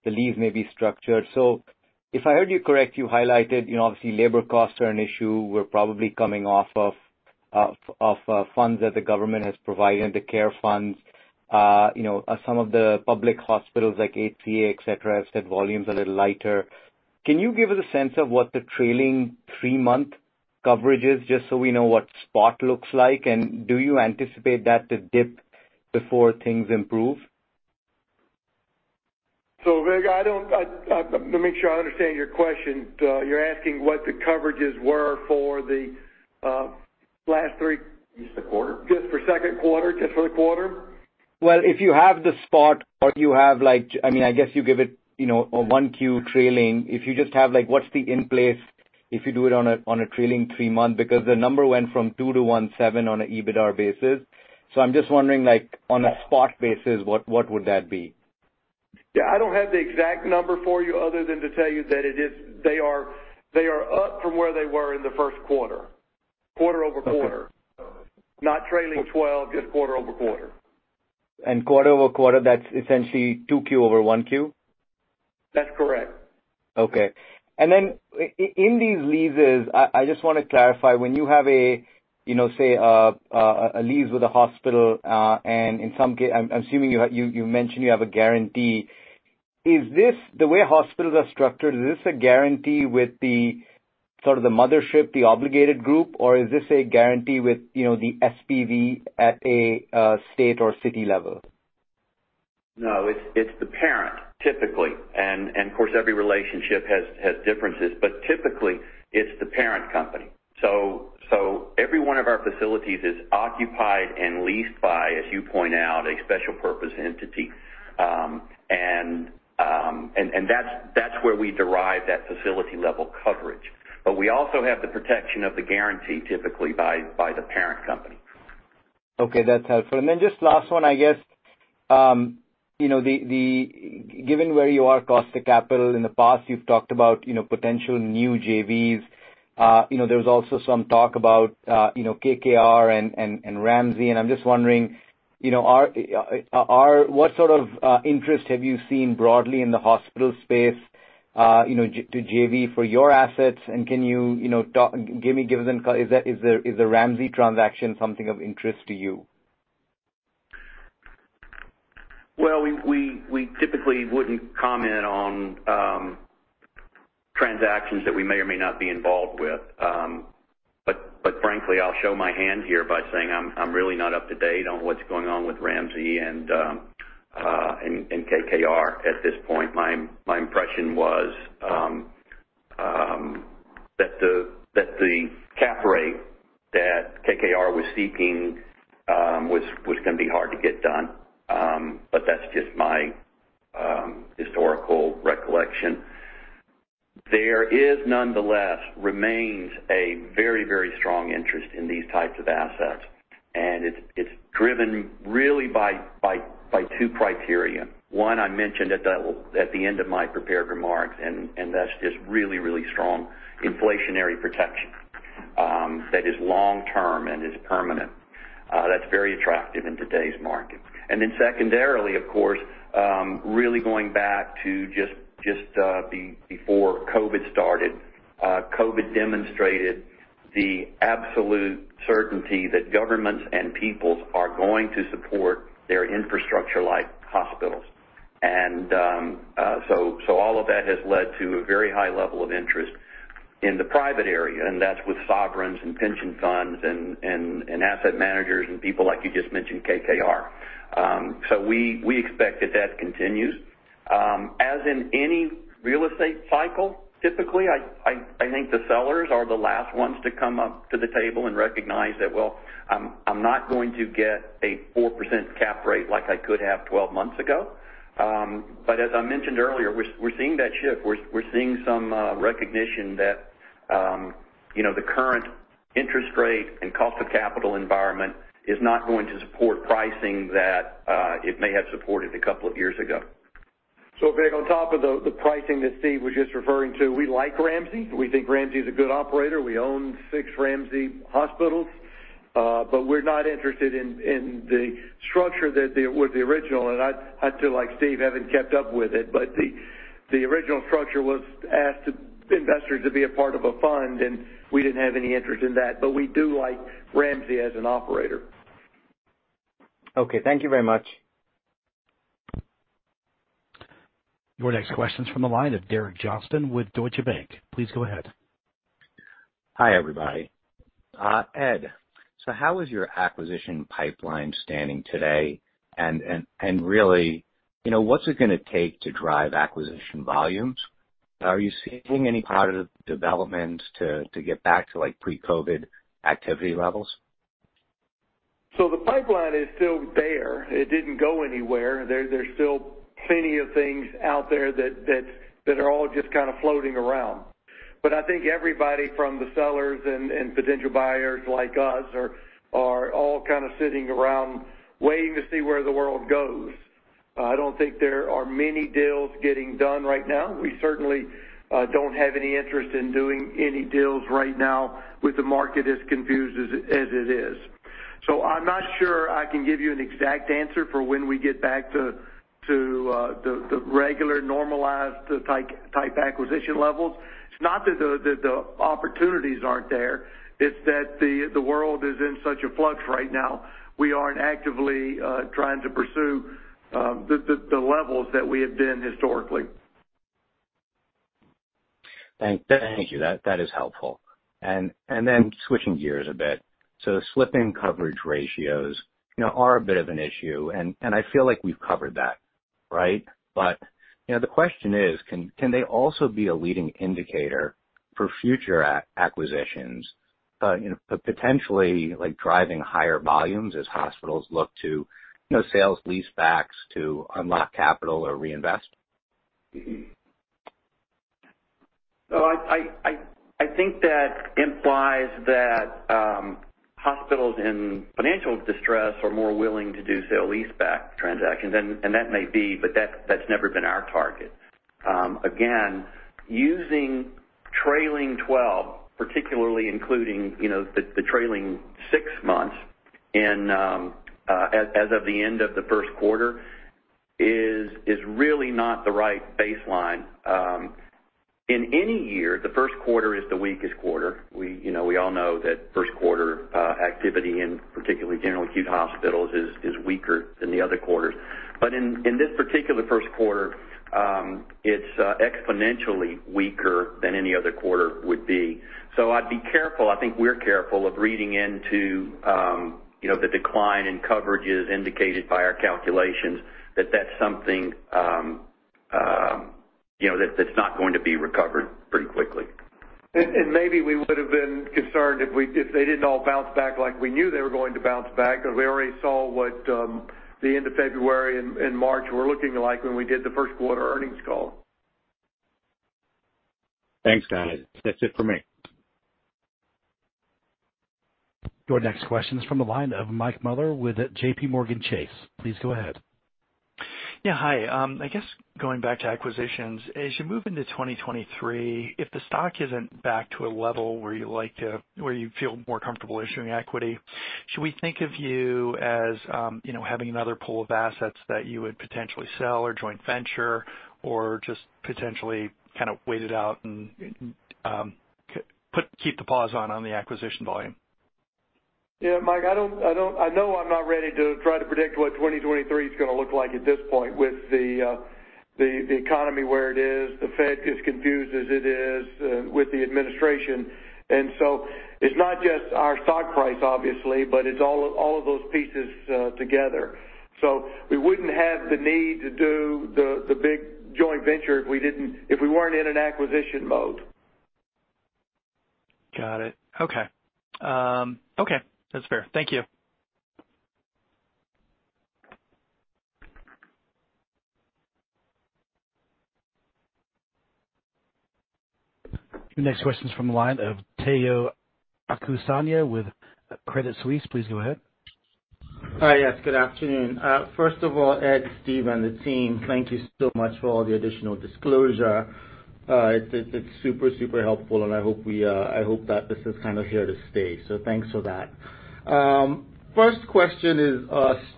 [SPEAKER 9] lease may be structured. If I heard you correct, you know, obviously labor costs are an issue. We're probably coming off of funds that the government has provided, the CARES funds, you know, some of the public hospitals like HCA, et cetera, have seen volumes a little lighter. Can you give us a sense of what the trailing three-month coverage is, just so we know what spot looks like? Do you anticipate that to dip before things improve?
[SPEAKER 3] Vik, let me make sure I understand your question. You're asking what the coverages were for the last three-
[SPEAKER 4] Just the quarter.
[SPEAKER 3] Just for second quarter, just for the quarter?
[SPEAKER 9] Well, if you have the spot or you have like, I mean, I guess, you give it, you know, a 1Q trailing. If you just have like what's the in place, if you do it on a, on a trailing three-month, because the number went from 2 to 1.7 on an EBITDAR basis. I'm just wondering, like on a spot basis, what would that be?
[SPEAKER 3] Yeah, I don't have the exact number for you other than to tell you that they are up from where they were in the first quarter-over-quarter.
[SPEAKER 9] Okay.
[SPEAKER 3] Not trailing twelve, just quarter-over-quarter.
[SPEAKER 9] Quarter-over-quarter, that's essentially 2Q over 1Q?
[SPEAKER 3] That's correct.
[SPEAKER 9] Okay. Then in these leases, I just wanna clarify. When you have a, you know, say, a lease with a hospital, and in some cases, I'm assuming you mentioned you have a guarantee. Is this the way hospitals are structured? Is this a guarantee with the sort of the mothership, the obligated group, or is this a guarantee with, you know, the SPV at a state or city level?
[SPEAKER 4] No, it's the parent, typically. Of course, every relationship has differences, but typically it's the parent company. Every one of our facilities is occupied and leased by, as you point out, a special purpose entity. That's where we derive that facility level coverage. We also have the protection of the guarantee, typically by the parent company.
[SPEAKER 9] Okay, that's helpful. Just last one, I guess. You know, given your cost of capital in the past, you've talked about, you know, potential new JVs. You know, there was also some talk about, you know, KKR and Ramsay, and I'm just wondering, you know, what sort of interest have you seen broadly in the hospital space, you know, joint ventures for your assets? Is the Ramsay transaction something of interest to you?
[SPEAKER 4] We typically wouldn't comment on transactions that we may or may not be involved with. Frankly, I'll show my hand here by saying I'm really not up to date on what's going on with Ramsay and KKR at this point. My impression was that the cap rate that KKR was seeking was gonna be hard to get done, but that's just my historical recollection. There nonetheless remains a very strong interest in these types of assets, and it's driven really by two criteria. One, I mentioned at the end of my prepared remarks, and that's just really strong inflationary protection that is long term and is permanent. That's very attractive in today's market. Then secondarily, of course, really going back to just before COVID started. COVID demonstrated the absolute certainty that governments and people are going to support their infrastructure like hospitals. All of that has led to a very high level of interest in the private sector, and that's with sovereigns and pension funds and asset managers and people like you just mentioned, KKR. We expect that continues. As in any real estate cycle, typically, I think the sellers are the last ones to come up to the table and recognize that, well, I'm not going to get a 4% cap rate like I could have 12 months ago. As I mentioned earlier, we're seeing that shift. We're seeing some recognition that, you know, the current interest rate and cost of capital environment is not going to support pricing that it may have supported a couple of years ago.
[SPEAKER 3] Vig, on top of the pricing that Steve was just referring to, we like Ramsay. We think Ramsay is a good operator. We own six Ramsay hospitals, but we're not interested in the structure with the original. I feel like Steve haven't kept up with it, but the original structure was ask the investors to be a part of a fund, and we didn't have any interest in that. We do like Ramsay as an operator.
[SPEAKER 9] Okay. Thank you very much.
[SPEAKER 1] Your next question is from the line of Derek Johnston with Deutsche Bank. Please go ahead.
[SPEAKER 10] Hi, everybody. Ed, how is your acquisition pipeline standing today? Really, you know, what's it gonna take to drive acquisition volumes? Are you seeing any positive developments to get back to, like, pre-COVID activity levels?
[SPEAKER 3] The pipeline is still there. It didn't go anywhere. There's still plenty of things out there that are all just kind of floating around. I think everybody from the sellers and potential buyers like us are all kind of sitting around waiting to see where the world goes. I don't think there are many deals getting done right now. We certainly don't have any interest in doing any deals right now with the market as confused as it is. I'm not sure I can give you an exact answer for when we get back to the regular normalized type acquisition levels. It's not that the opportunities aren't there, it's that the world is in such a flux right now. We aren't actively trying to pursue the levels that we have been historically.
[SPEAKER 10] Thank you. That is helpful. Switching gears a bit. The slipping coverage ratios, you know, are a bit of an issue, and I feel like we've covered that, right? You know, the question is, can they also be a leading indicator for future acquisitions, you know, potentially like driving higher volumes as hospitals look to, you know, sale-leasebacks to unlock capital or reinvest?
[SPEAKER 4] I think that implies that hospitals in financial distress are more willing to do sale-leaseback transactions, and that may be, but that's never been our target. Again, using trailing twelve, particularly including the trailing six months and as of the end of the first quarter, is really not the right baseline. In any year, the first quarter is the weakest quarter. We all know that first quarter activity in particularly general acute hospitals is weaker than the other quarters. In this particular first quarter, it's exponentially weaker than any other quarter would be. I'd be careful, I think we're careful of reading into, you know, the decline in coverages indicated by our calculations that that's something, you know, that's not going to be recovered pretty quickly.
[SPEAKER 3] Maybe we would've been concerned if they didn't all bounce back like we knew they were going to bounce back, 'cause we already saw what the end of February and March were looking like when we did the first quarter earnings call.
[SPEAKER 10] Thanks, guys. That's it for me.
[SPEAKER 1] Your next question is from the line of Mike Mueller with JPMorgan Chase. Please go ahead.
[SPEAKER 11] Yeah, hi. I guess going back to acquisitions. As you move into 2023, if the stock isn't back to a level where you feel more comfortable issuing equity, should we think of you as, you know, having another pool of assets that you would potentially sell or joint venture or just potentially kind of wait it out and keep the pause on the acquisition volume?
[SPEAKER 3] Yeah, Mike, I don't know I'm not ready to try to predict what 2023 is gonna look like at this point with the economy where it is, the Fed as confused as it is, with the administration. It's not just our stock price obviously, but it's all of those pieces together. We wouldn't have the need to do the big joint venture if we weren't in an acquisition mode.
[SPEAKER 11] Got it. Okay. Okay, that's fair. Thank you.
[SPEAKER 1] The next question is from the line of Omotayo Okusanya with Credit Suisse. Please go ahead.
[SPEAKER 12] Hi. Yes, good afternoon. First of all, Ed, Steve, and the team, thank you so much for all the additional disclosure. It is super helpful, and I hope that this is kind of here to stay, so thanks for that. First question is,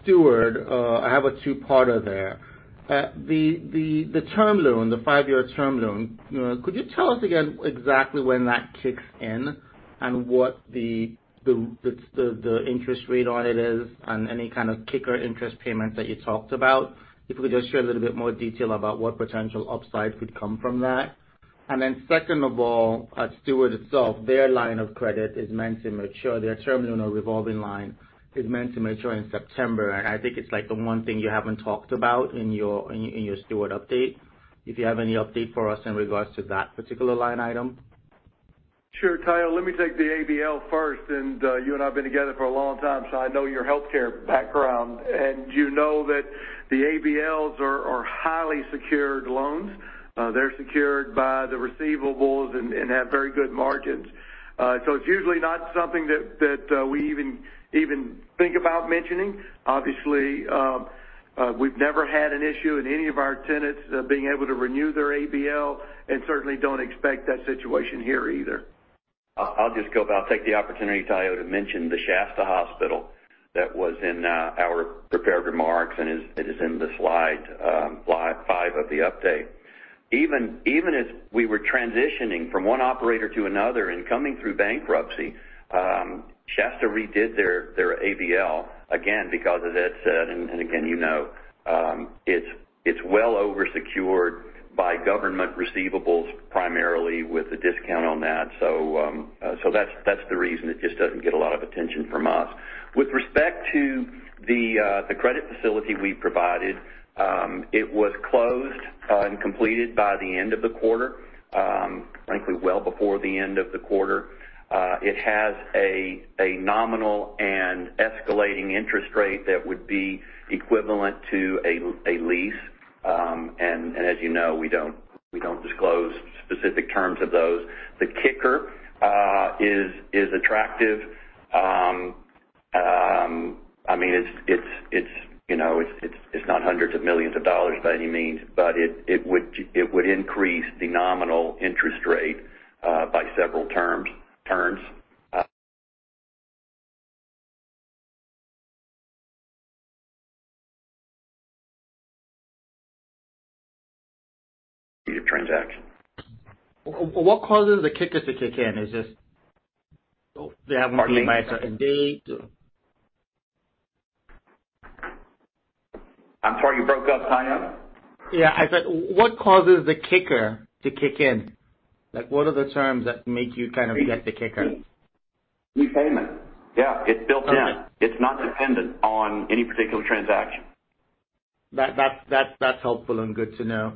[SPEAKER 12] Steward. I have a two-parter there. The term loan, the five-year term loan, you know, could you tell us again exactly when that kicks in and what the interest rate on it is and any kind of kicker interest payments that you talked about? If we could just share a little bit more detail about what potential upside could come from that. Then second of all, Steward itself, their line of credit is meant to mature. Their term on a revolving line is meant to mature in September, and I think it's like the one thing you haven't talked about in your Steward update. If you have any update for us in regards to that particular line item.
[SPEAKER 3] Sure, Tayo. Let me take the ABL first. You and I have been together for a long time, so I know your healthcare background. You know that the ABLs are highly secured loans. They're secured by the receivables and have very good margins. So it's usually not something that we even think about mentioning. Obviously, we've never had an issue in any of our tenants being able to renew their ABL, and certainly don't expect that situation here either.
[SPEAKER 4] I'll take the opportunity, Tayo, to mention the Shasta Hospital that was in our prepared remarks and is in the slide five of the update. Even as we were transitioning from one operator to another and coming through bankruptcy, Shasta redid their ABL again because as Ed said, and again you know, it's well over secured by government receivables primarily with a discount on that. So that's the reason it just doesn't get a lot of attention from us. With respect to the credit facility we provided, it was closed and completed by the end of the quarter, frankly, well before the end of the quarter. It has a nominal and escalating interest rate that would be equivalent to a lease. As you know, we don't disclose specific terms of those. The kicker is attractive, I mean, it's you know it's not hundreds of millions of dollars by any means, but it would increase the nominal interest rate by several turns.
[SPEAKER 12] What causes the kicker to kick in? Oh, they haven't been by a certain date?
[SPEAKER 4] I'm sorry, you broke up, Tayo.
[SPEAKER 12] Yeah. I said, what causes the kicker to kick in? Like, what are the terms that make you kind of get the kicker?
[SPEAKER 4] Repayment. Yeah, it's built in. It's not dependent on any particular transaction.
[SPEAKER 12] That's helpful and good to know.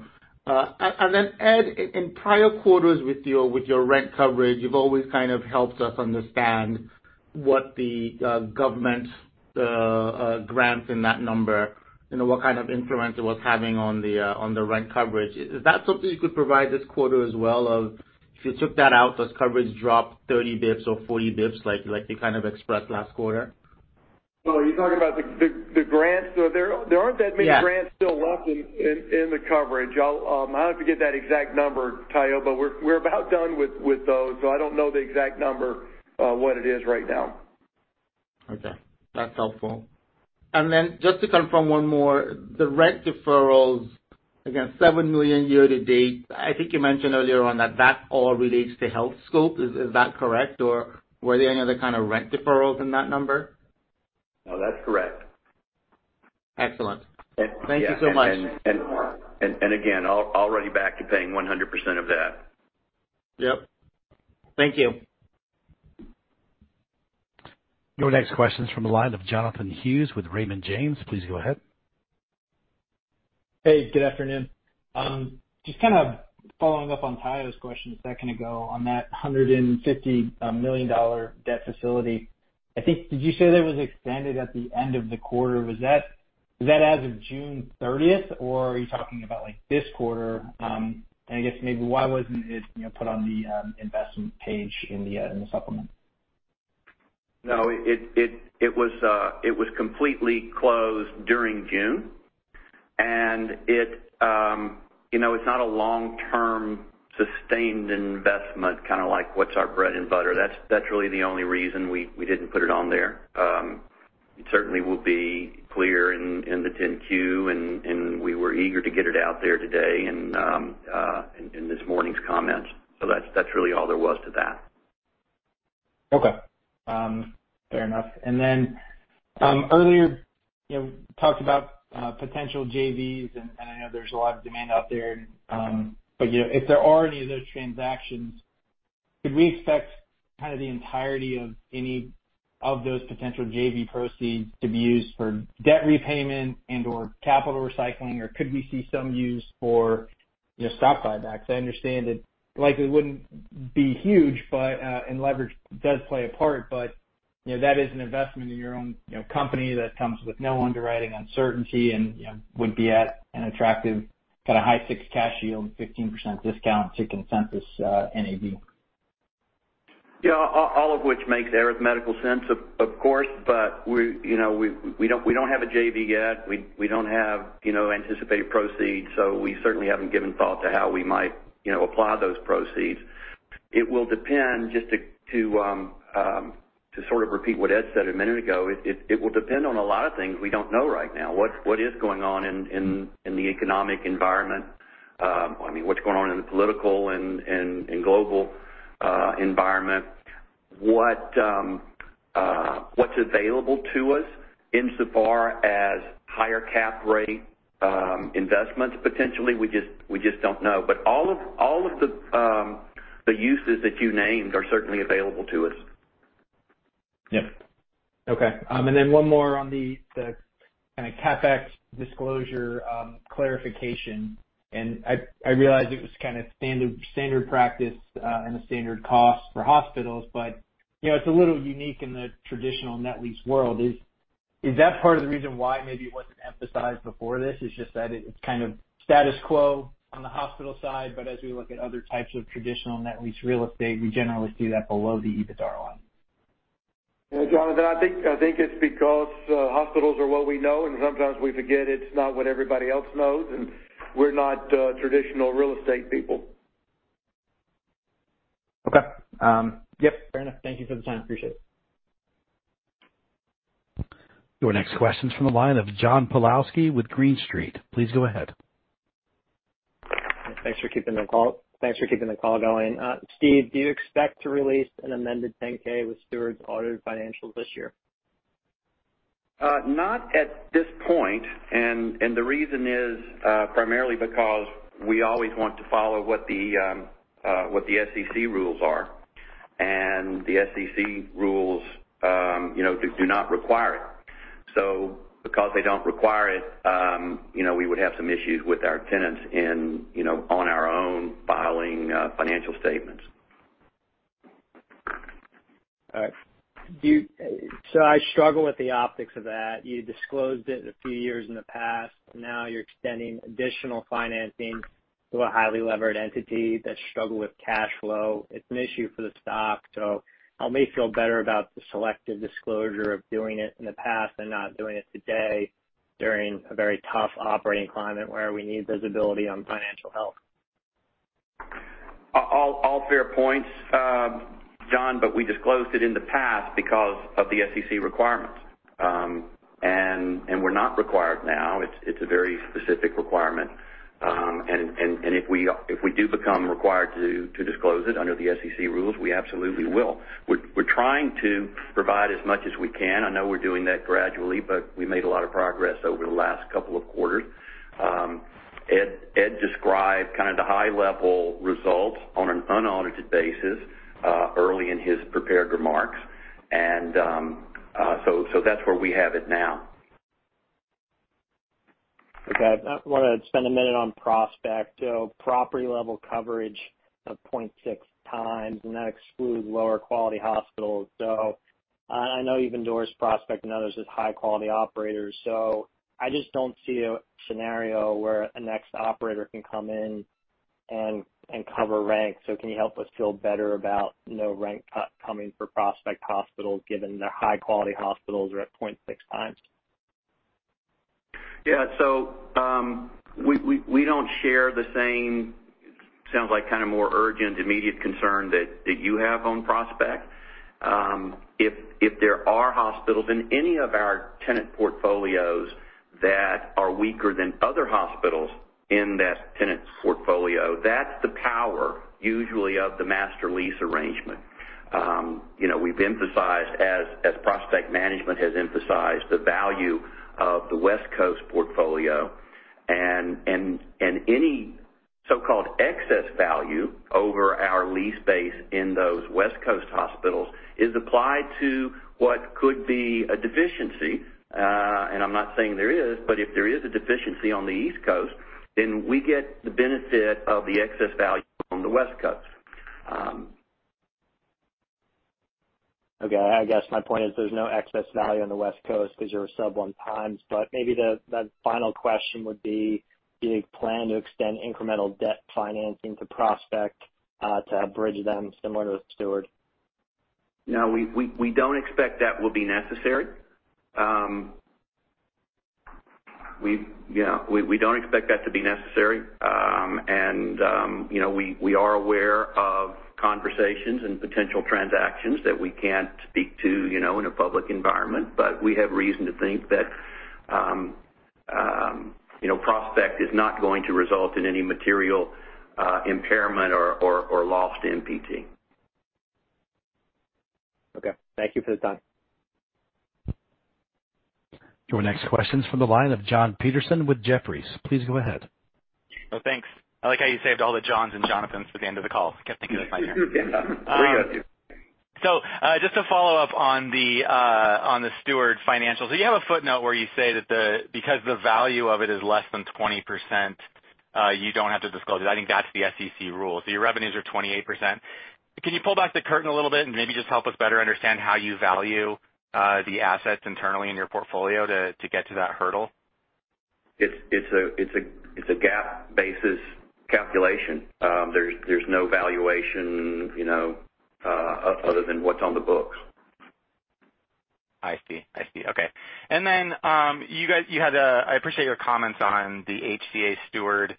[SPEAKER 12] Then Ed, in prior quarters with your rent coverage, you've always kind of helped us understand what the government grants in that number, you know, what kind of influence it was having on the rent coverage. Is that something you could provide this quarter as well or if you took that out, does coverage drop 30 basis points or 40 basis points like you kind of expressed last quarter?
[SPEAKER 3] Oh, are you talking about the grants? There aren't that many.
[SPEAKER 12] Yeah.
[SPEAKER 3] Grants still left in the coverage. I'll have to get that exact number, Tayo, but we're about done with those, so I don't know the exact number what it is right now.
[SPEAKER 12] Okay, that's helpful. Then just to confirm one more, the rent deferrals, again, $7 million year to date, I think you mentioned earlier on that all relates to Healthscope. Is that correct? Or were there any other kind of rent deferrals in that number?
[SPEAKER 4] No, that's correct.
[SPEAKER 12] Excellent. Thank you so much.
[SPEAKER 4] again, already back to paying 100% of that.
[SPEAKER 12] Yep. Thank you.
[SPEAKER 1] Your next question is from the line of Jonathan Hughes with Raymond James. Please go ahead.
[SPEAKER 13] Hey, good afternoon. Just kind of following up on Tayo's question a second ago. On that $150 million debt facility, I think. Did you say that was extended at the end of the quarter? Was that as of June 30, or are you talking about, like, this quarter? I guess maybe why wasn't it put on the investment page in the supplement?
[SPEAKER 4] No, it was completely closed during June. You know, it's not a long-term sustained investment, kind of like what's our bread and butter. That's really the only reason we didn't put it on there. It certainly will be clear in the Form 10-Q, and we were eager to get it out there today and in this morning's comments. That's really all there was to that.
[SPEAKER 13] Okay. Fair enough. Earlier, you know, we talked about potential JVs, and I know there's a lot of demand out there. You know, if there are any of those transactions, could we expect kind of the entirety of any of those potential JV proceeds to be used for debt repayment and/or capital recycling, or could we see some use for, you know, stock buybacks? I understand it likely wouldn't be huge, but, and leverage does play a part but, you know, that is an investment in your own, you know, company that comes with no underwriting uncertainty and, you know, would be at an attractive kind of high six cash yield and 15% discount to consensus NAV.
[SPEAKER 4] Yeah. All of which makes arithmetical sense, of course. We, you know, don't have a JV yet. We don't have, you know, anticipated proceeds, so we certainly haven't given thought to how we might, you know, apply those proceeds. It will depend. Just to sort of repeat what Ed said a minute ago, it will depend on a lot of things we don't know right now. What is going on in the economic environment? I mean, what's going on in the political and global environment? What is available to us insofar as higher cap rate investments, potentially? We just don't know. All of the uses that you named are certainly available to us.
[SPEAKER 13] Yeah. Okay. And then one more on the kind of CapEx disclosure, clarification. I realize it was kind of standard practice and a standard cost for hospitals, but you know, it's a little unique in the traditional net lease world. Is that part of the reason why maybe it wasn't emphasized before this? It's just that it's kind of status quo on the hospital side, but as we look at other types of traditional net lease real estate, we generally see that below the EBITDA line.
[SPEAKER 3] Yeah, Jonathan, I think it's because hospitals are what we know, and sometimes we forget it's not what everybody else knows, and we're not traditional real estate people.
[SPEAKER 13] Okay. Yep. Fair enough. Thank you for the time. Appreciate it.
[SPEAKER 1] Your next question is from the line of John Pawlowski with Green Street. Please go ahead.
[SPEAKER 14] Thanks for keeping the call going. Steve, do you expect to release an amended 10-K with Steward's audited financials this year?
[SPEAKER 4] Not at this point. The reason is primarily because we always want to follow what the SEC rules are. The SEC rules, you know, do not require it. Because they don't require it, you know, we would have some issues with our tenants in, you know, on our own filing, financial statements.
[SPEAKER 14] All right. I struggle with the optics of that. You disclosed it a few years in the past. Now you're extending additional financing to a highly levered entity that struggle with cash flow, it's an issue for the stock. Help me feel better about the selective disclosure of doing it in the past and not doing it today during a very tough operating climate where we need visibility on financial health.
[SPEAKER 4] All fair points, John. We disclosed it in the past because of the SEC requirements. We're not required now. It's a very specific requirement. If we do become required to disclose it under the SEC rules, we absolutely will. We're trying to provide as much as we can. I know we're doing that gradually, but we made a lot of progress over the last couple of quarters. Ed described kind of the high level results on an unaudited basis early in his prepared remarks. That's where we have it now.
[SPEAKER 14] Okay. I wanted to spend a minute on Prospect. Property level coverage of 0.6 times, and that excludes lower quality hospitals. I know you've endorsed Prospect and others as high quality operators, so I just don't see a scenario where a new operator can come in and cover rent. Can you help us feel better about no rent cut coming for Prospect Hospitals given their high quality hospitals are at 0.6 times?
[SPEAKER 4] Yeah. We don't share the same, sounds like kind of more urgent, immediate concern that you have on Prospect. If there are hospitals in any of our tenant portfolios that are weaker than other hospitals in that tenant's portfolio, that's the power usually of the master lease arrangement. You know, we've emphasized as Prospect Management has emphasized the value of the West Coast portfolio and any so-called excess value over our lease base in those West Coast hospitals is applied to what could be a deficiency. I'm not saying there is, but if there is a deficiency on the East Coast, then we get the benefit of the excess value on the West Coast.
[SPEAKER 14] Okay. I guess my point is there's no excess value on the West Coast because you're sub one times. Maybe the final question would be, do you plan to extend incremental debt financing to Prospect to bridge them similar to Steward?
[SPEAKER 4] No, we don't expect that will be necessary. We, you know, don't expect that to be necessary. You know, we are aware of conversations and potential transactions that we can't speak to, you know, in a public environment, but we have reason to think that, you know, Prospect is not going to result in any material impairment or lost MPT.
[SPEAKER 14] Okay. Thank you for the time.
[SPEAKER 1] Your next question's from the line of Jon Petersen with Jefferies. Please go ahead.
[SPEAKER 15] Oh, thanks. I like how you saved all the Johns and Jonathans for the end of the call. I kept thinking of this line here.
[SPEAKER 4] Yeah. There we go.
[SPEAKER 15] Just to follow up on the Steward financials. You have a footnote where you say that because the value of it is less than 20%, you don't have to disclose it. I think that's the SEC rule. Your revenues are 28%. Can you pull back the curtain a little bit and maybe just help us better understand how you value the assets internally in your portfolio to get to that hurdle?
[SPEAKER 4] It's a GAAP-basis calculation. There's no valuation, you know, other than what's on the books.
[SPEAKER 15] I see. Okay. You guys, you had, I appreciate your comments on the HCA-Steward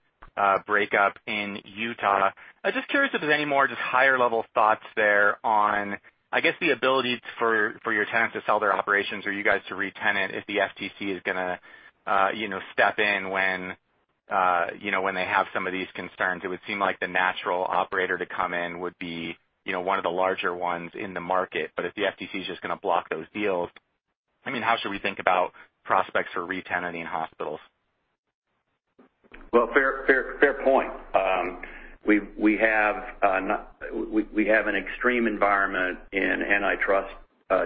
[SPEAKER 15] breakup in Utah. I'm just curious if there's any more just higher level thoughts there on, I guess, the ability for your tenants to sell their operations or you guys to retenant if the FTC is gonna, you know, step in when, you know, when they have some of these concerns. It would seem like the natural operator to come in would be, you know, one of the larger ones in the market. If the FTC is just gonna block those deals, I mean, how should we think about prospects for retenanting hospitals?
[SPEAKER 4] Well, fair point. We have an extreme environment in antitrust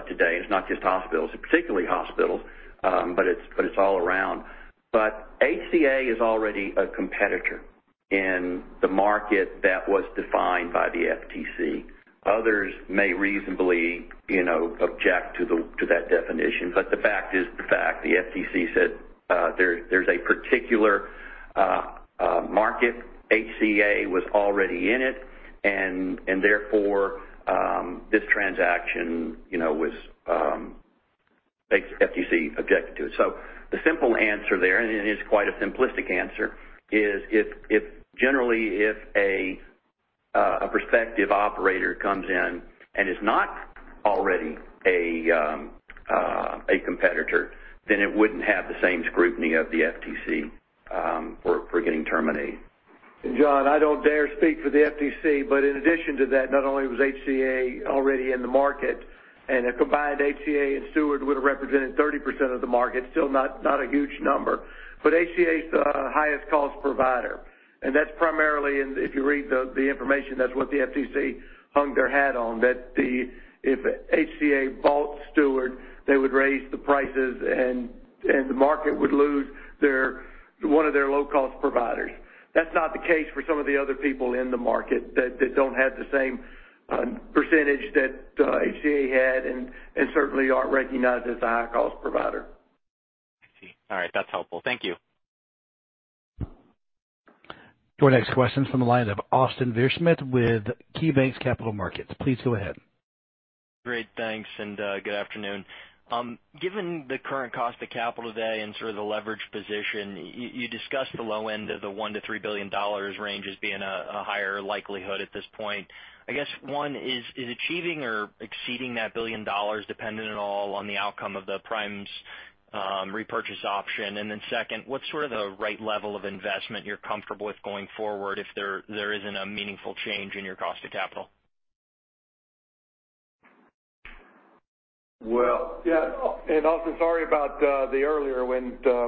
[SPEAKER 4] today. It's not just hospitals, particularly hospitals, but it's all around. HCA is already a competitor in the market that was defined by the FTC. Others may reasonably, you know, object to that definition. The fact is the fact. The FTC said there's a particular market. HCA was already in it, and therefore this transaction, you know, FTC objected to it. The simple answer there, and it is quite a simplistic answer, is generally, if a prospective operator comes in and is not already a competitor, then it wouldn't have the same scrutiny of the FTC for getting terminated.
[SPEAKER 3] John, I don't dare speak for the FTC, but in addition to that, not only was HCA already in the market, and a combined HCA and Steward would have represented 30% of the market. Still not a huge number. But HCA is the highest cost provider. That's primarily if you read the information, that's what the FTC hung their hat on, that if HCA bought Steward, they would raise the prices and the market would lose one of their low cost providers. That's not the case for some of the other people in the market that don't have the same percentage that HCA had and certainly aren't recognized as a high cost provider.
[SPEAKER 15] I see. All right, that's helpful. Thank you.
[SPEAKER 1] Your next question's from the line of Austin Wurschmidt with KeyBanc Capital Markets. Please go ahead.
[SPEAKER 16] Great, thanks, and good afternoon. Given the current cost of capital today and sort of the leverage position, you discussed the low end of the $1 billion-$3 billion range as being a higher likelihood at this point. I guess one is achieving or exceeding that $1 billion dependent at all on the outcome of the Prime's repurchase option? Then second, what's sort of the right level of investment you're comfortable with going forward if there isn't a meaningful change in your cost of capital?
[SPEAKER 3] Well, yeah. Austin, sorry about the earlier when we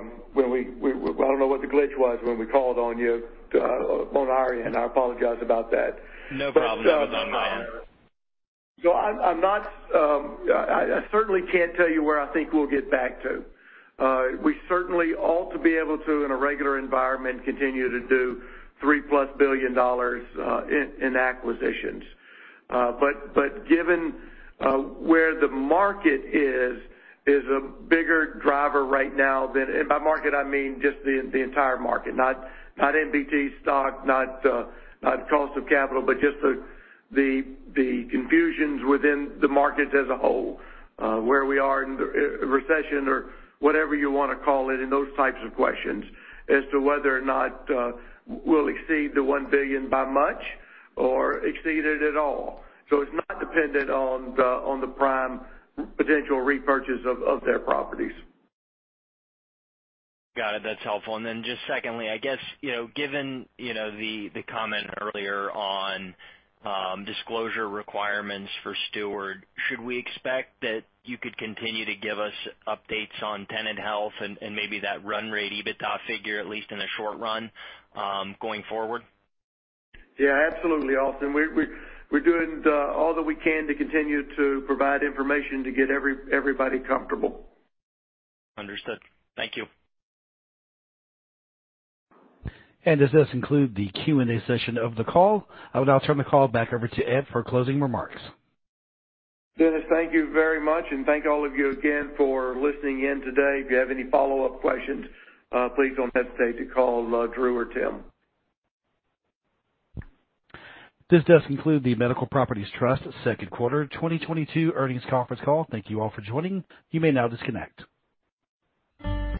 [SPEAKER 3] called on you on our end. I don't know what the glitch was when we called on you on our end. I apologize about that.
[SPEAKER 16] No problem. That was on my end.
[SPEAKER 3] I certainly can't tell you where I think we'll get back to. We certainly ought to be able to, in a regular environment, continue to do $3+ billion in acquisitions. But given where the market is a bigger driver right now than. By market, I mean just the entire market, not MPT stock, not cost of capital, but just the confusions within the markets as a whole, where we are in the recession or whatever you wanna call it, and those types of questions as to whether or not we'll exceed the $1 billion by much or exceed it at all. It's not dependent on the Prime potential repurchase of their properties.
[SPEAKER 16] Got it. That's helpful. Then just secondly, I guess, you know, given, you know, the comment earlier on disclosure requirements for Steward, should we expect that you could continue to give us updates on tenant health and maybe that run rate EBITDA figure at least in the short run, going forward?
[SPEAKER 3] Yeah, absolutely, Austin. We're doing all that we can to continue to provide information to get everybody comfortable.
[SPEAKER 16] Understood. Thank you.
[SPEAKER 1] Does this conclude the Q&A session of the call? I will now turn the call back over to Ed for closing remarks.
[SPEAKER 3] Dennis, thank you very much, and thank all of you again for listening in today. If you have any follow-up questions, please don't hesitate to call, Drew or Tim.
[SPEAKER 1] This does conclude the Medical Properties Trust second quarter 2022 earnings conference call. Thank you all for joining. You may now disconnect.